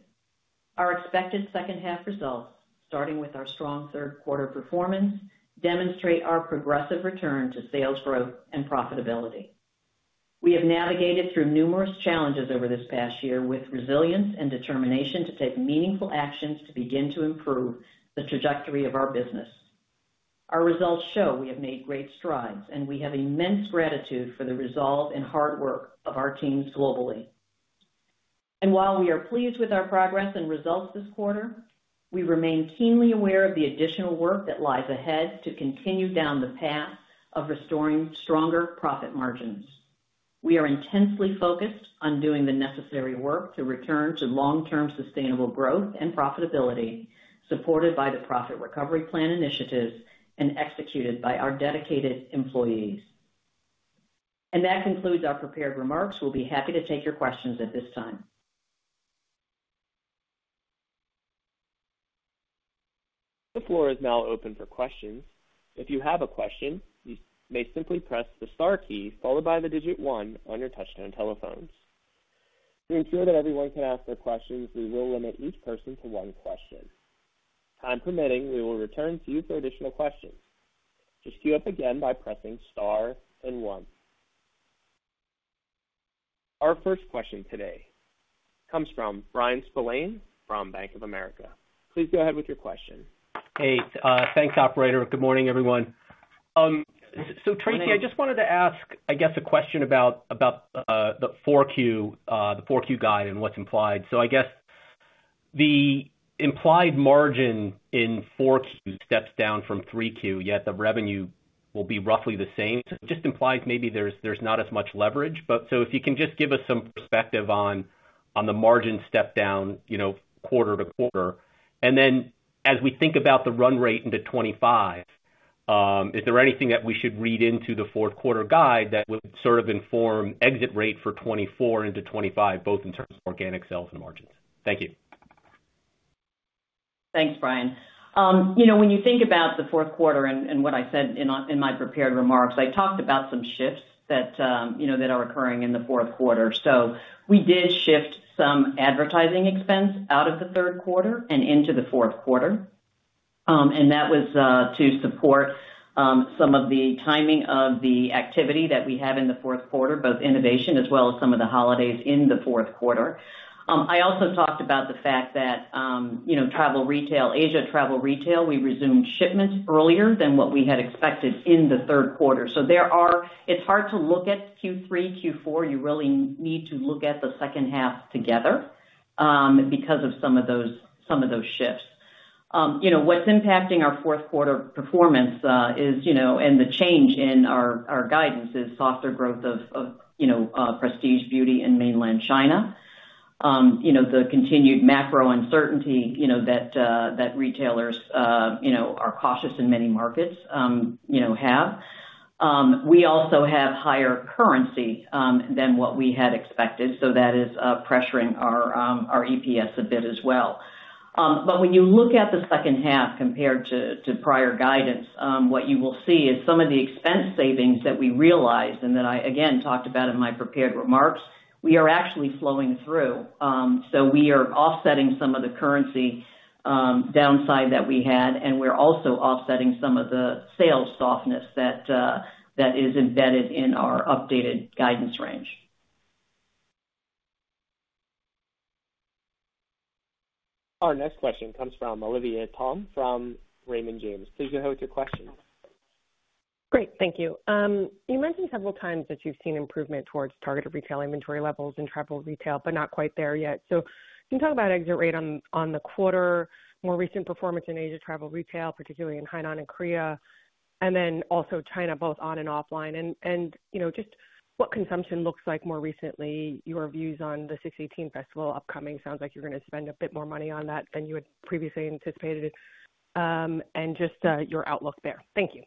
our expected second half results, starting with our strong third quarter performance, demonstrate our progressive return to sales growth and profitability. We have navigated through numerous challenges over this past year with resilience and determination to take meaningful actions to begin to improve the trajectory of our business. Our results show we have made great strides, and we have immense gratitude for the resolve and hard work of our teams globally. While we are pleased with our progress and results this quarter, we remain keenly aware of the additional work that lies ahead to continue down the path of restoring stronger profit margins. We are intensely focused on doing the necessary work to return to long-term sustainable growth and profitability, supported by the Profit Recovery Plan initiatives and executed by our dedicated employees. That concludes our prepared remarks. We'll be happy to take your questions at this time. The floor is now open for questions. If you have a question, you may simply press the star key followed by the digit one on your touchtone telephones. To ensure that everyone can ask their questions, we will limit each person to one question. Time permitting, we will return to you for additional questions. Just queue up again by pressing star and one. Our first question today comes from Bryan Spillane from Bank of America. Please go ahead with your question. Hey, thanks, operator. Good morning, everyone. So Tracey, I just wanted to ask, I guess, a question about, about, the 4Q, the 4Q guide and what's implied. So I guess the implied margin in 4Q steps down from 3Q, yet the revenue will be roughly the same. Just implies maybe there's, there's not as much leverage. But so if you can just give us some perspective on, on the margin step down, you know, quarter to quarter. And then as we think about the run rate into 2025, is there anything that we should read into the fourth quarter guide that would sort of inform exit rate for 2024 into 2025, both in terms of organic sales and margins? Thank you. Thanks, Bryan. You know, when you think about the fourth quarter and what I said in my prepared remarks, I talked about some shifts that you know that are occurring in the fourth quarter. So we did shift some advertising expense out of the third quarter and into the fourth quarter, and that was to support some of the timing of the activity that we had in the fourth quarter, both innovation as well as some of the holidays in the fourth quarter. I also talked about the fact that you know travel retail, Asia Travel Retail, we resumed shipments earlier than what we had expected in the third quarter. So there are. It's hard to look at Q3, Q4, you really need to look at the second half together, because of some of those shifts. You know, what's impacting our fourth quarter performance is, you know, and the change in our guidance is softer growth of, you know, Prestige Beauty in Mainland China. You know, the continued macro uncertainty, you know, that retailers, you know, are cautious in many markets, you know, have. We also have higher currency than what we had expected, so that is pressuring our EPS a bit as well. But when you look at the second half compared to prior guidance, what you will see is some of the expense savings that we realized, and that I again talked about in my prepared remarks, we are actually flowing through. We are offsetting some of the currency downside that we had, and we're also offsetting some of the sales softness that is embedded in our updated guidance range. Our next question comes from Olivia Tong from Raymond James. Please go ahead with your question. Great, thank you. You mentioned several times that you've seen improvement towards targeted retail inventory levels in travel retail, but not quite there yet. So can you talk about exit rate on the quarter, more recent performance in Asia Travel Retail, particularly in Hainan and Korea, and then also China, both on and offline? And you know, just what consumption looks like more recently, your views on the 6.18 festival upcoming. Sounds like you're going to spend a bit more money on that than you had previously anticipated, and just your outlook there. Thank you.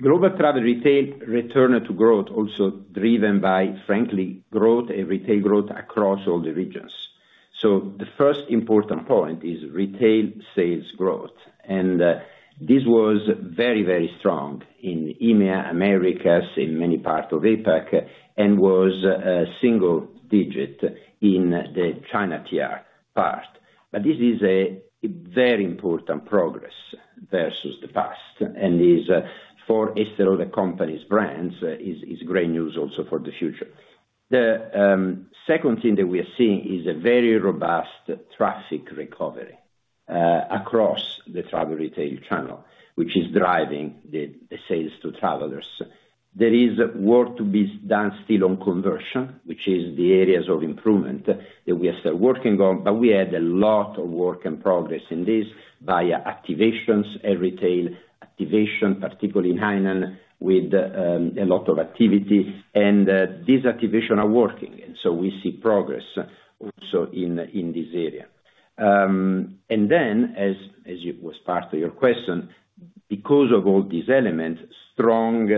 Global travel retail return to growth, also driven by, frankly, growth and retail growth across all the regions. The first important point is retail sales growth, and this was very, very strong in EMEA, Americas, in many parts of APAC, and was a single digit in the China TR part. But this is a very important progress versus the past, and is, for Estée Lauder Companies' brands, great news also for the future. The second thing that we are seeing is a very robust traffic recovery across the travel retail channel, which is driving the sales to travelers. There is work to be done still on conversion, which is the areas of improvement that we are still working on, but we had a lot of work and progress in this via activations and retail activation, particularly in Hainan, with a lot of activity. And these activation are working, and so we see progress also in this area. And then as it was part of your question, because of all these elements, strong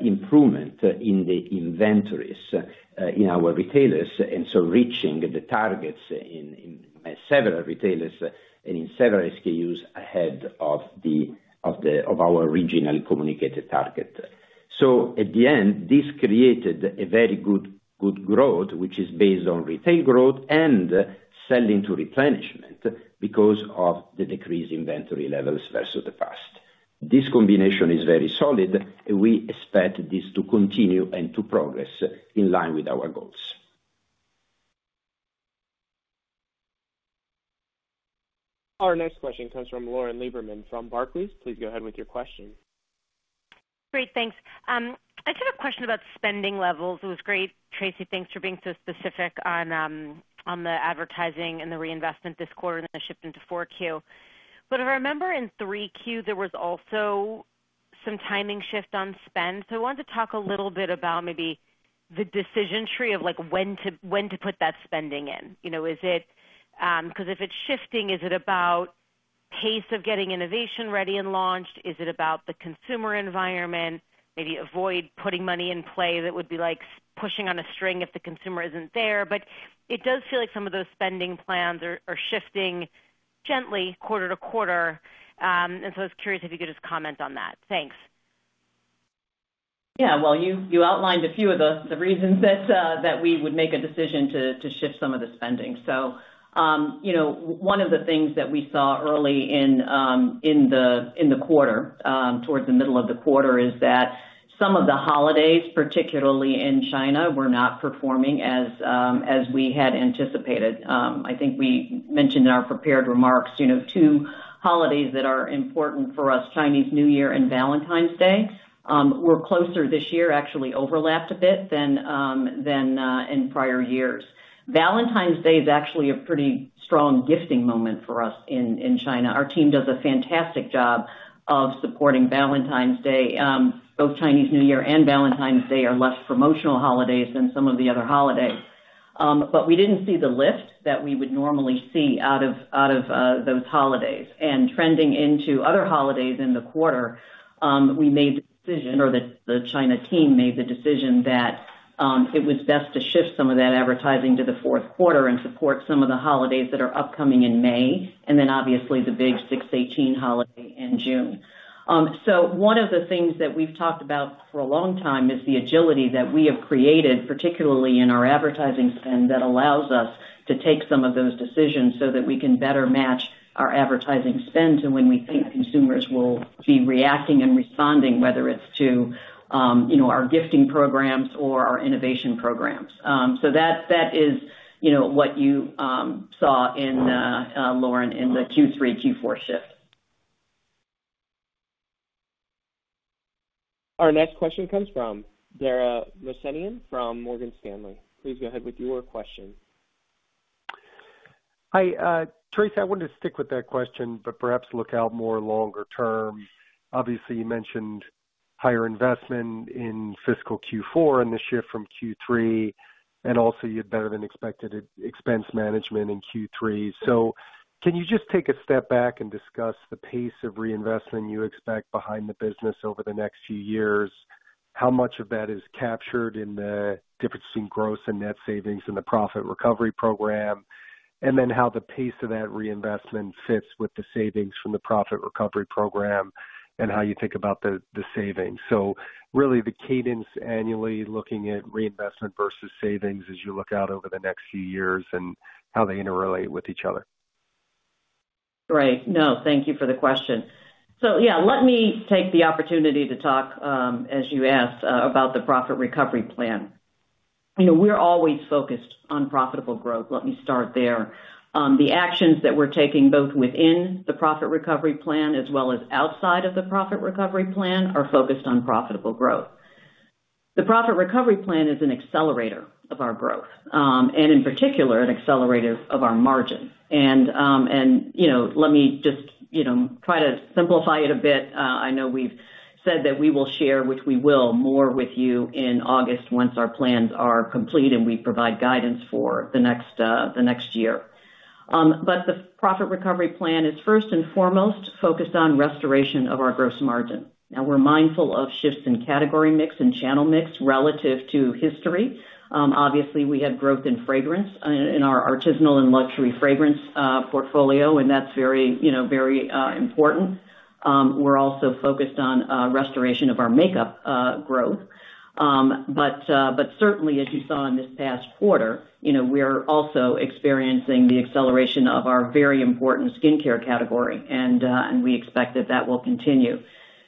improvement in the inventories in our retailers, and so reaching the targets in several retailers and in several SKUs ahead of our original communicated target. So at the end, this created a very good growth, which is based on retail growth and selling to replenishment because of the decreased inventory levels versus the past. This combination is very solid, and we expect this to continue and to progress in line with our goals. Our next question comes from Lauren Lieberman, from Barclays. Please go ahead with your question. Great, thanks. I just had a question about spending levels. It was great, Tracey, thanks for being so specific on, on the advertising and the reinvestment this quarter and the shift into 4Q. But if I remember, in 3Q, there was also some timing shift on spend. So I wanted to talk a little bit about maybe the decision tree of, like, when to, when to put that spending in. You know, is it... Because if it's shifting, is it about pace of getting innovation ready and launched? Is it about the consumer environment? Maybe avoid putting money in play that would be like pushing on a string if the consumer isn't there. But it does feel like some of those spending plans are, are shifting gently quarter to quarter. And so I was curious if you could just comment on that. Thanks. Yeah, well, you outlined a few of the reasons that we would make a decision to shift some of the spending. So, you know, one of the things that we saw early in the quarter, towards the middle of the quarter, is that some of the holidays, particularly in China, were not performing as we had anticipated. I think we mentioned in our prepared remarks, you know, two holidays that are important for us, Chinese New Year and Valentine's Day, were closer this year, actually overlapped a bit than in prior years. Valentine's Day is actually a pretty strong gifting moment for us in China. Our team does a fantastic job of supporting Valentine's Day. Both Chinese New Year and Valentine's Day are less promotional holidays than some of the other holidays. But we didn't see the lift that we would normally see out of those holidays. And trending into other holidays in the quarter, we made the decision, or the China team made the decision that, it was best to shift some of that advertising to the fourth quarter and support some of the holidays that are upcoming in May, and then obviously, the big 6.18 holiday in June. So one of the things that we've talked about for a long time is the agility that we have created, particularly in our advertising spend, that allows us to take some of those decisions so that we can better match our advertising spend to when we think consumers will be reacting and responding, whether it's to, you know, our gifting programs or our innovation programs. So that, that is, you know, what you saw in Lauren, in the Q3, Q4 shift. Our next question comes from Dara Mohsenian from Morgan Stanley. Please go ahead with your question. Hi, Tracey, I wanted to stick with that question, but perhaps look out more longer-term. Obviously, you mentioned higher investment in fiscal Q4 and the shift from Q3, and also you had better than expected expense management in Q3. So can you just take a step back and discuss the pace of reinvestment you expect behind the business over the next few years? How much of that is captured in the difference in gross and net savings in the profit recovery program, and then how the pace of that reinvestment fits with the savings from the profit recovery program, and how you think about the, the savings? So really, the cadence annually looking at reinvestment versus savings as you look out over the next few years and how they interrelate with each other. Right. No, thank you for the question. So yeah, let me take the opportunity to talk, as you asked, about the Profit Recovery Plan. You know, we're always focused on profitable growth. Let me start there. The actions that we're taking, both within the Profit Recovery Plan as well as outside of the Profit Recovery Plan, are focused on profitable growth. The Profit Recovery Plan is an accelerator of our growth, and in particular, an accelerator of our margin. And, you know, let me just, you know, try to simplify it a bit. I know we've said that we will share, which we will, more with you in August once our plans are complete and we provide guidance for the next year. But the Profit Recovery Plan is first and foremost focused on restoration of our gross margin. Now, we're mindful of shifts in category mix and channel mix relative to history. Obviously, we had growth in fragrance in our artisanal and luxury fragrance portfolio, and that's very, you know, very important. We're also focused on restoration of our makeup growth. But certainly, as you saw in this past quarter, you know, we're also experiencing the acceleration of our very important skincare category, and we expect that that will continue.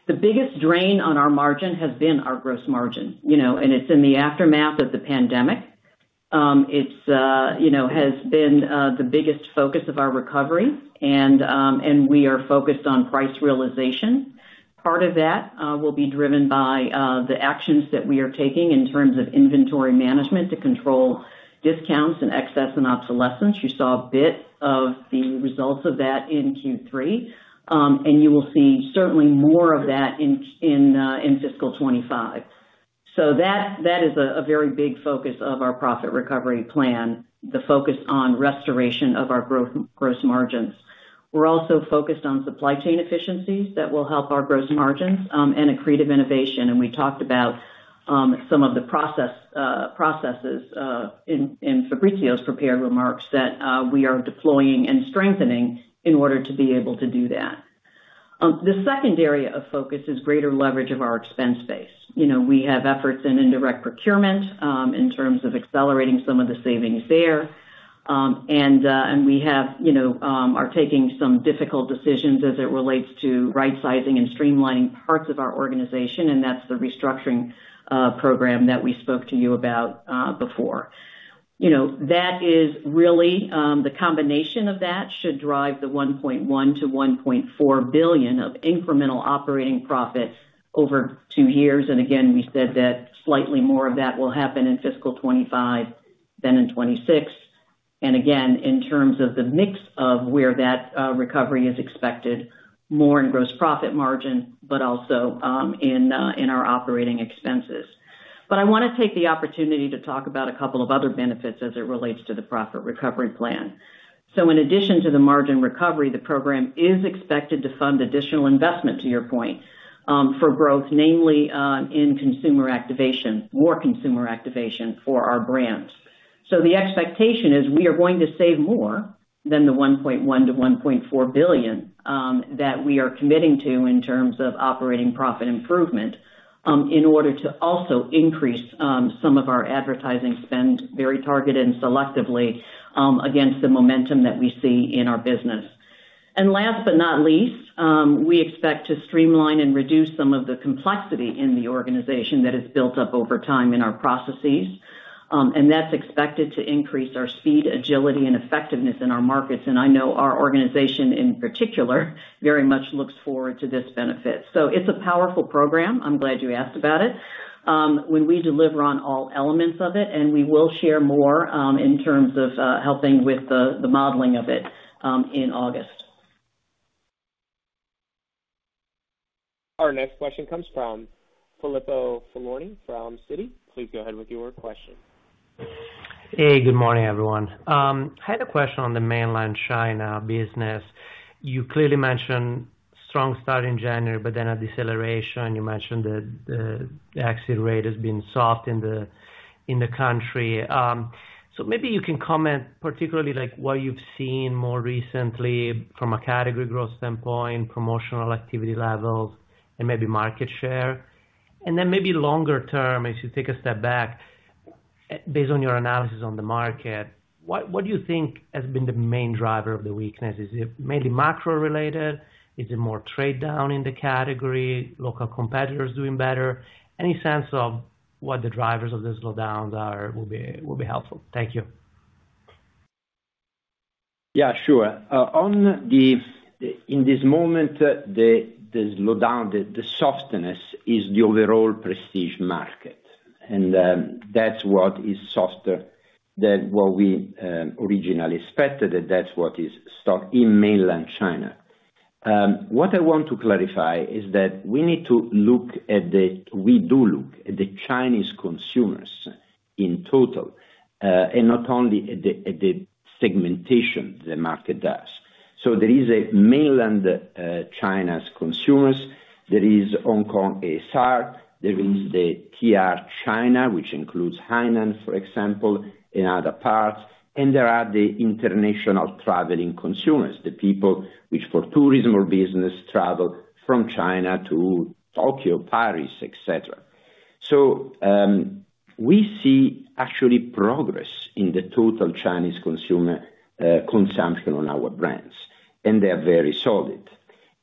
The biggest drain on our margin has been our gross margin, you know, and it's in the aftermath of the pandemic. It's, you know, has been the biggest focus of our recovery, and we are focused on price realization. Part of that will be driven by the actions that we are taking in terms of inventory management to control discounts and excess and obsolescence. You saw a bit of the results of that in Q3, and you will see certainly more of that in fiscal 2025. So that is a very big focus of our Profit Recovery Plan, the focus on restoration of our gross margins. We're also focused on supply chain efficiencies that will help our gross margins, and accretive innovation, and we talked about some of the processes in Fabrizio's prepared remarks that we are deploying and strengthening in order to be able to do that. The second area of focus is greater leverage of our expense base. You know, we have efforts in indirect procurement, in terms of accelerating some of the savings there. And we have, you know, are taking some difficult decisions as it relates to right-sizing and streamlining parts of our organization, and that's the restructuring program that we spoke to you about, before. You know, that is really the combination of that should drive the $1.1 billion-$1.4 billion of incremental operating profit over two years. And again, we said that slightly more of that will happen in fiscal 2025 than in 2026. And again, in terms of the mix of where that recovery is expected, more in gross profit margin, but also in our operating expenses. But I wanna take the opportunity to talk about a couple of other benefits as it relates to the Profit Recovery Plan. So in addition to the margin recovery, the program is expected to fund additional investment, to your point, for growth, namely, in consumer activation, more consumer activation for our brands. So the expectation is we are going to save more than the $1.1 billion-$1.4 billion that we are committing to in terms of operating profit improvement, in order to also increase some of our advertising spend very targeted and selectively, against the momentum that we see in our business. And last but not least, we expect to streamline and reduce some of the complexity in the organization that has built up over time in our processes. That's expected to increase our speed, agility, and effectiveness in our markets. I know our organization, in particular, very much looks forward to this benefit. It's a powerful program. I'm glad you asked about it. When we deliver on all elements of it, and we will share more, in terms of helping with the modeling of it, in August. Our next question comes from Filippo Falorni from Citi. Please go ahead with your question. Hey, good morning, everyone. I had a question on the Mainland China business. You clearly mentioned strong start in January, but then a deceleration, you mentioned that the exit rate has been soft in the country. So maybe you can comment particularly, like, what you've seen more recently from a category growth standpoint, promotional activity levels and maybe market share. And then maybe longer-term, as you take a step back, based on your analysis on the market, what do you think has been the main driver of the weakness? Is it mainly macro-related? Is it more trade down in the category, local competitors doing better? Any sense of what the drivers of this slowdown are will be helpful. Thank you. Yeah, sure. On the, in this moment, the slowdown, the softness is the overall prestige market, and that's what is softer than what we originally expected, and that's what is stuck in Mainland China. What I want to clarify is that we do look at the Chinese consumers in total, and not only at the segmentation the market does. So there is a Mainland China's consumers, there is Hong Kong, SAR, there is the TR China, which includes Hainan, for example, and other parts, and there are the international traveling consumers, the people which, for tourism or business, travel from China to Tokyo, Paris, et cetera. So we see actually progress in the total Chinese consumer consumption on our brands, and they are very solid.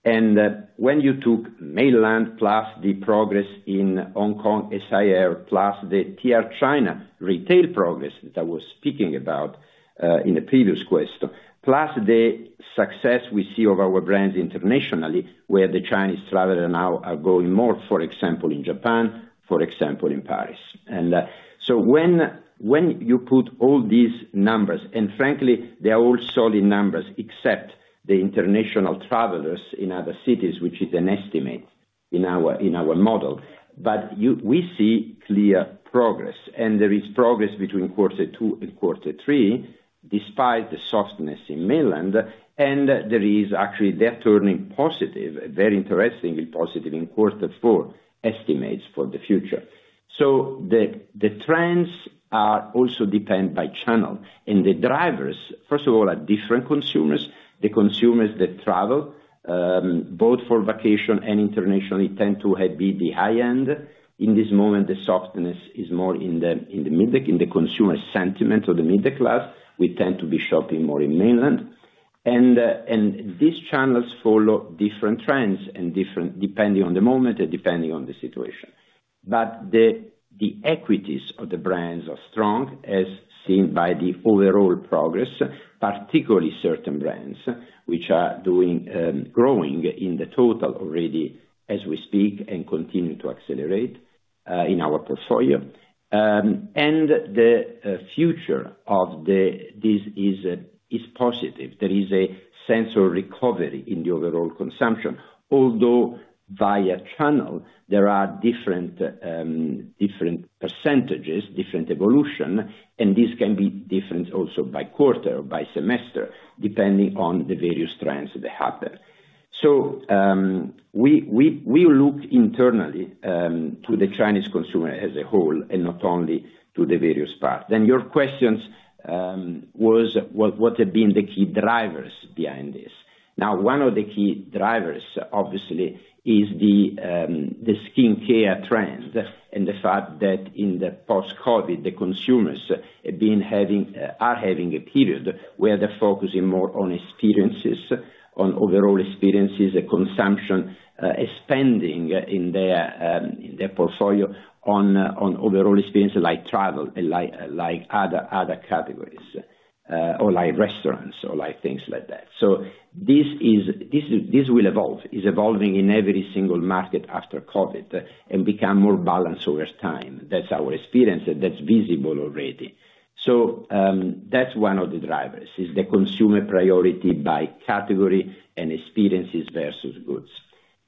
When you took mainland, plus the progress in Hong Kong, SAR, plus the TR China retail progress that I was speaking about in the previous question, plus the success we see of our brands internationally, where the Chinese travelers now are going more, for example, in Japan, for example, in Paris. So when you put all these numbers, and frankly, they are all solid numbers except the international travelers in other cities, which is an estimate in our model. But we see clear progress, and there is progress between quarter two and quarter three, despite the softness in mainland, and there is actually, they are turning positive, very interestingly positive in quarter four, estimates for the future. So the trends are also depend by channel, and the drivers, first of all, are different consumers. The consumers that travel both for vacation and internationally tend to be the high end. In this moment, the softness is more in the middle, in the consumer sentiment or the middle class; we tend to be shopping more in mainland. These channels follow different trends and different depending on the moment and depending on the situation. But the equities of the brands are strong, as seen by the overall progress, particularly certain brands, which are growing in the total already as we speak and continue to accelerate in our portfolio. The future of this is positive. There is a sense of recovery in the overall consumption, although via channel, there are different percentages, different evolution, and this can be different also by quarter, by semester, depending on the various trends that happen. So, we look internally to the Chinese consumer as a whole, and not only to the various parts. Then your questions was, what had been the key drivers behind this? Now, one of the key drivers, obviously, is the skincare trend, and the fact that in the post-COVID, the consumers have been having, are having a period where they're focusing more on experiences, on overall experiences, consumption, spending in their portfolio on overall experiences like travel and like other categories, or like restaurants or like things like that. So this will evolve. It's evolving in every single market after COVID and become more balanced over time. That's our experience, and that's visible already. So, that's one of the drivers, is the consumer priority by category and experiences versus goods.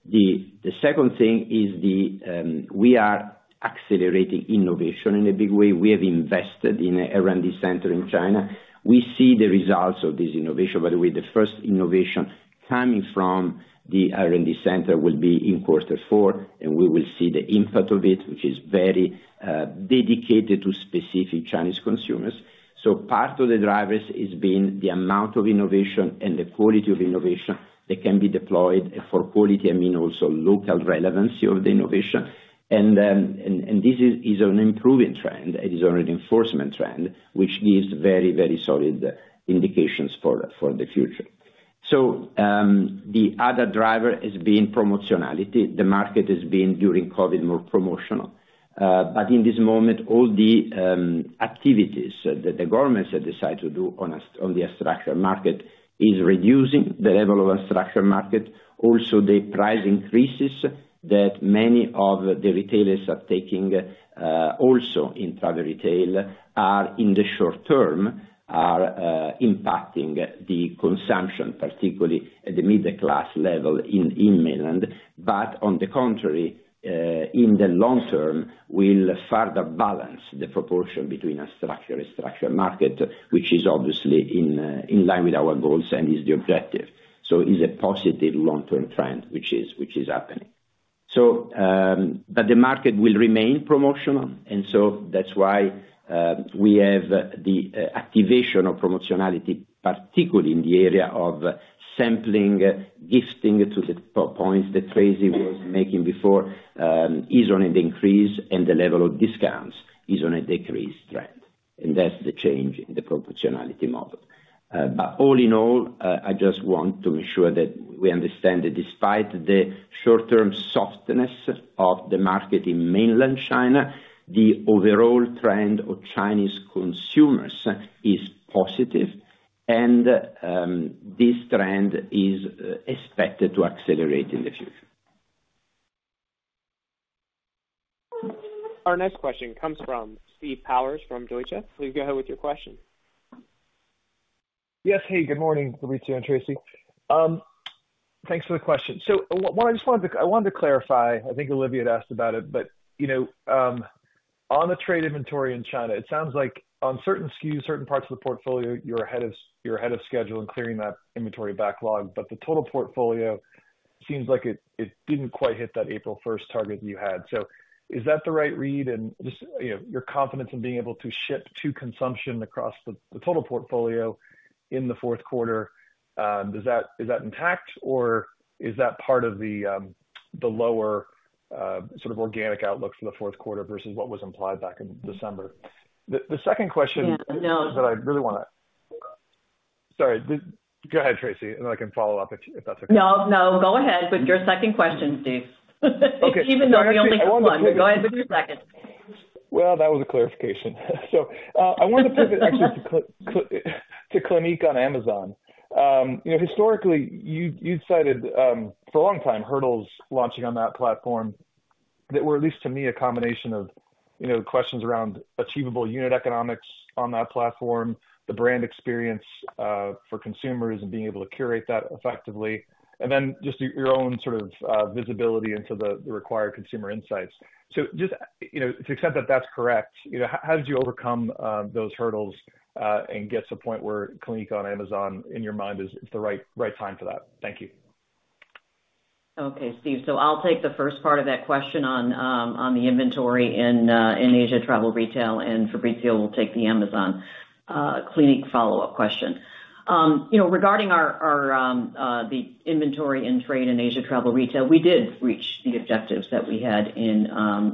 The second thing is, we are accelerating innovation in a big way. We have invested in a R&D center in China. We see the results of this innovation. By the way, the first innovation coming from the R&D center will be in quarter four, and we will see the impact of it, which is very dedicated to specific Chinese consumers. So part of the drivers is being the amount of innovation and the quality of innovation that can be deployed. For quality, I mean, also local relevancy of the innovation. And this is an improving trend. It is a reinforcement trend, which gives very, very solid indications for the future. So, the other driver has been promotionality. The market has been, during COVID, more promotional. But in this moment, all the activities that the governments have decided to do on the unstructured market is reducing the level of unstructured market. Also, the price increases that many of the retailers are taking, also in Travel Retail, are in the short-term impacting the consumption, particularly at the middle class level in mainland, but on the contrary, in the long-term, will further balance the proportion between a unstructured market, which is obviously in line with our goals and is the objective. So it's a positive long-term trend, which is happening. So, but the market will remain promotional, and so that's why we have the activation of promotionality, particularly in the area of sampling, gifting to the points that Tracey was making before is on an increase, and the level of discounts is on a decrease trend, and that's the change in the proportionality model. But all in all, I just want to ensure that we understand that despite the short-term softness of the market in Mainland China, the overall trend of Chinese consumers is positive, and this trend is expected to accelerate in the future. Our next question comes from Steve Powers from Deutsche. Please go ahead with your question. Yes, hey, good morning, Fabrizio and Tracey. Thanks for the question. I wanted to clarify, I think Olivia had asked about it, but, you know, on the trade inventory in China, it sounds like on certain SKUs, certain parts of the portfolio, you're ahead of schedule in clearing that inventory backlog, but the total portfolio seems like it didn't quite hit that April first target you had. So is that the right read? And just, you know, your confidence in being able to ship to consumption across the total portfolio in the fourth quarter, does that—is that intact, or is that part of the lower sort of organic outlook for the fourth quarter versus what was implied back in December? The second question- Yeah, no. Sorry. Go ahead, Tracey, and I can follow up if that's okay. No, no, go ahead with your second question, Steve. Okay. Even though you only have one, but go ahead with your second. Well, that was a clarification. So, I wanted to pivot actually to Clinique on Amazon. You know, historically, you'd cited for a long time hurdles launching on that platform that were, at least to me, a combination of, you know, questions around achievable unit economics on that platform, the brand experience for consumers and being able to curate that effectively, and then just your own sort of visibility into the required consumer insights. So just, you know, to the extent that that's correct, you know, how did you overcome those hurdles and get to the point where Clinique on Amazon, in your mind, is the right time for that? Thank you. Okay, Steve. So I'll take the first part of that question on, on the inventory in, in Asia Travel Retail, and Fabrizio will take the Amazon, Clinique follow-up question. You know, regarding our, the inventory and trade in Asia Travel Retail, we did reach the objectives that we had in,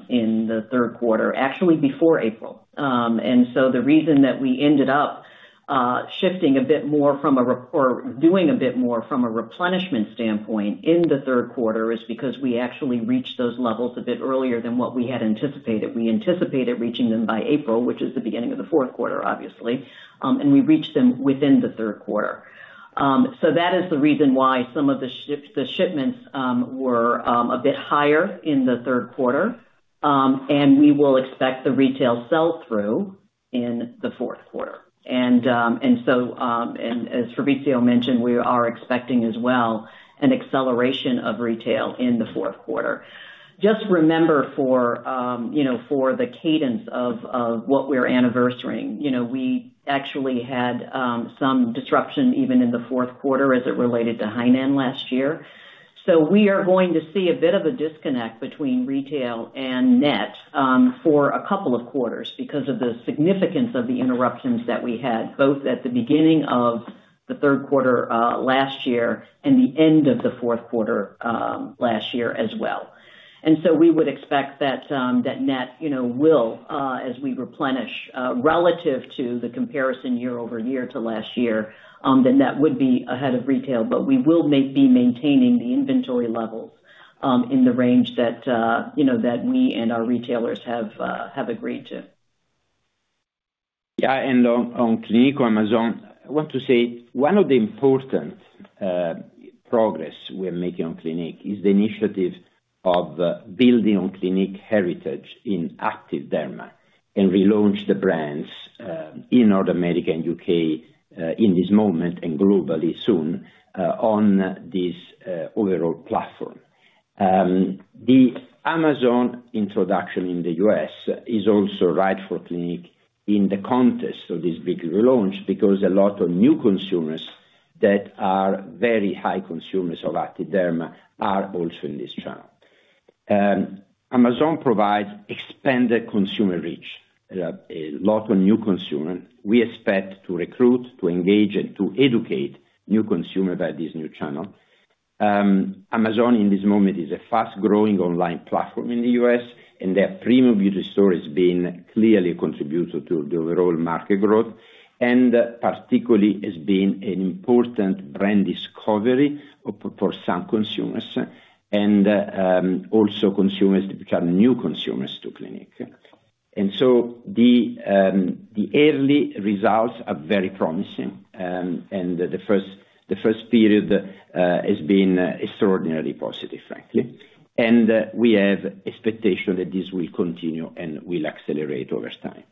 in the third quarter, actually before April. And so the reason that we ended up, shifting a bit more from a rep- or doing a bit more from a replenishment standpoint in the third quarter, is because we actually reached those levels a bit earlier than what we had anticipated. We anticipated reaching them by April, which is the beginning of the fourth quarter, obviously, and we reached them within the third quarter. So that is the reason why some of the shipments were a bit higher in the third quarter, and we will expect the retail sell-through in the fourth quarter. And so, as Fabrizio mentioned, we are expecting as well an acceleration of retail in the fourth quarter. Just remember for, you know, the cadence of what we're anniversarying, you know, we actually had some disruption even in the fourth quarter as it related to Hainan last year. So we are going to see a bit of a disconnect between retail and net for a couple of quarters, because of the significance of the interruptions that we had, both at the beginning of the third quarter last year, and the end of the fourth quarter last year as well. So we would expect that net, you know, will as we replenish relative to the comparison year-over-year to last year, the net would be ahead of retail. But we will be maintaining the inventory levels in the range that, you know, that we and our retailers have agreed to. Yeah, and on, on Clinique, on Amazon, I want to say one of the important progress we're making on Clinique is the initiative of building on Clinique heritage in Active Derma, and relaunch the brands in North America and U.K. in this moment and globally soon on this overall platform. The Amazon introduction in the U.S. is also right for Clinique in the context of this big relaunch, because a lot of new consumers that are very high consumers of Active Derma are also in this channel. Amazon provides expanded consumer reach, a lot of new consumers. We expect to recruit, to engage and to educate new consumer about this new channel. Amazon, in this moment, is a fast-growing online platform in the U.S., and their premium beauty store has been clearly contributor to the overall market growth, and particularly, has been an important brand discovery for some consumers and also consumers to become new consumers to Clinique. And so the early results are very promising, and the first period has been extraordinarily positive, frankly. And we have expectation that this will continue and will accelerate over time.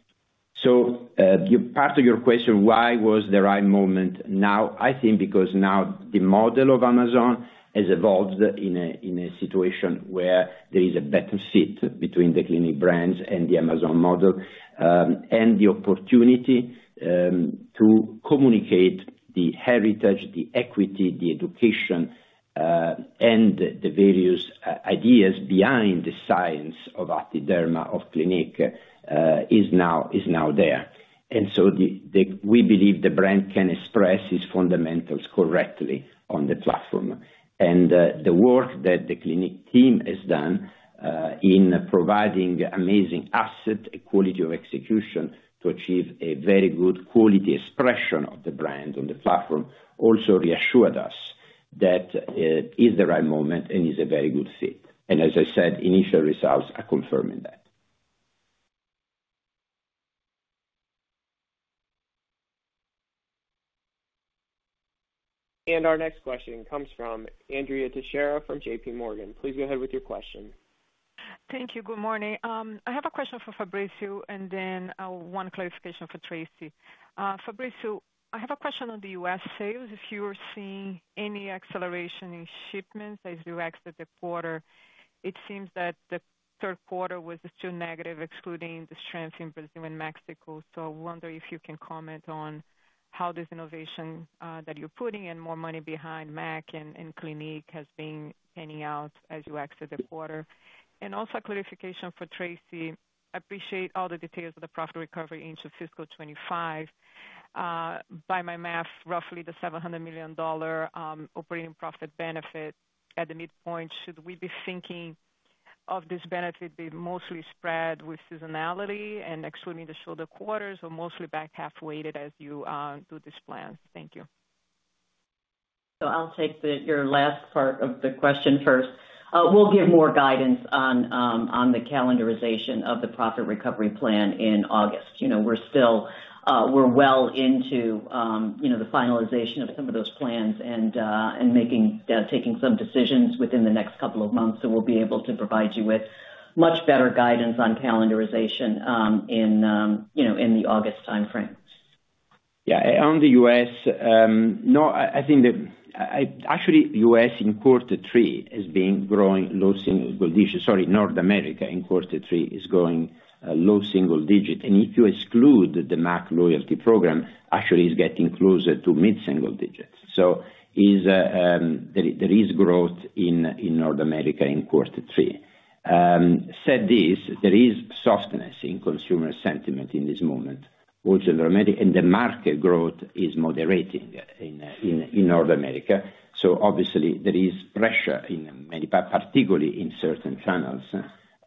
So you, part of your question, why was the right moment now? I think because now the model of Amazon has evolved in a situation where there is a better fit between the Clinique brands and the Amazon model. And the opportunity to communicate the heritage, the equity, the education, and the various ideas behind the science of Active Derma, of Clinique, is now there. And so we believe the brand can express its fundamentals correctly on the platform. And the work that the Clinique team has done in providing amazing asset quality of execution to achieve a very good quality expression of the brand on the platform also reassured us that it is the right moment and is a very good fit. And as I said, initial results are confirming that. Our next question comes from Andrea Teixeira from JPMorgan. Please go ahead with your question. Thank you. Good morning. I have a question for Fabrizio, and then one clarification for Tracey. Fabrizio, I have a question on the U.S. sales. If you are seeing any acceleration in shipments as you exit the quarter, it seems that the third quarter was still negative, excluding the strength in Brazil and Mexico. So I wonder if you can comment on how this innovation that you're putting in more money behind MAC and Clinique has been panning out as you exit the quarter? And also clarification for Tracey. I appreciate all the details of the profit recovery in fiscal 2025. By my math, roughly the $700 million operating profit benefit at the midpoint, should we be thinking of this benefit be mostly spread with seasonality and excluding the shorter quarters, or mostly back half weighted as you do this plan? Thank you. So I'll take the, your last part of the question first. We'll give more guidance on the calendarization of the Profit Recovery Plan in August. You know, we're still... we're well into you know, the finalization of some of those plans and making taking some decisions within the next couple of months, so we'll be able to provide you with much better guidance on calendarization in you know, in the August timeframe. Yeah, on the U.S., actually, U.S. in quarter three has been growing low single digit. Sorry, North America in quarter three is growing a low single digit. And if you exclude the MAC loyalty program, actually it's getting closer to mid-single digits. So there is growth in North America in quarter three. That said, there is softness in consumer sentiment in this moment, also in North America, and the market growth is moderating in North America. So obviously, there is pressure in many, but particularly in certain channels,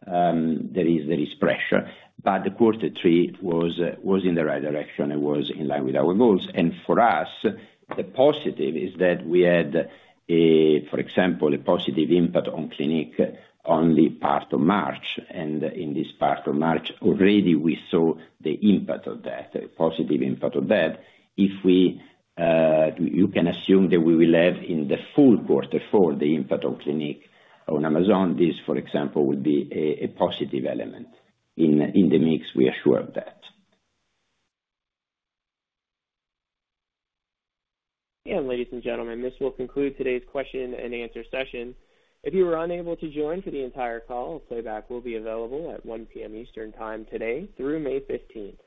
there is pressure. But quarter three was in the right direction and was in line with our goals. For us, the positive is that we had a, for example, a positive impact on Clinique on the part of March, and in this part of March, already we saw the impact of that, a positive impact of that. If we, you can assume that we will have in the full quarter for the impact of Clinique on Amazon, this, for example, would be a, a positive element. In, in the mix, we are sure of that. Ladies and gentlemen, this will conclude today's question and answer session. If you were unable to join for the entire call, a playback will be available at 1:00 P.M. Eastern time today through May fifteenth.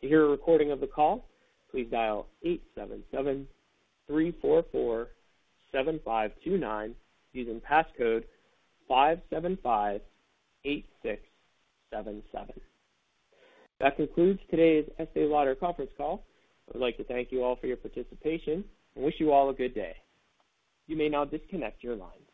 To hear a recording of the call, please dial 877-344-7529, using passcode 5758677. That concludes today's Estée Lauder conference call. I'd like to thank you all for your participation and wish you all a good day. You may now disconnect your lines.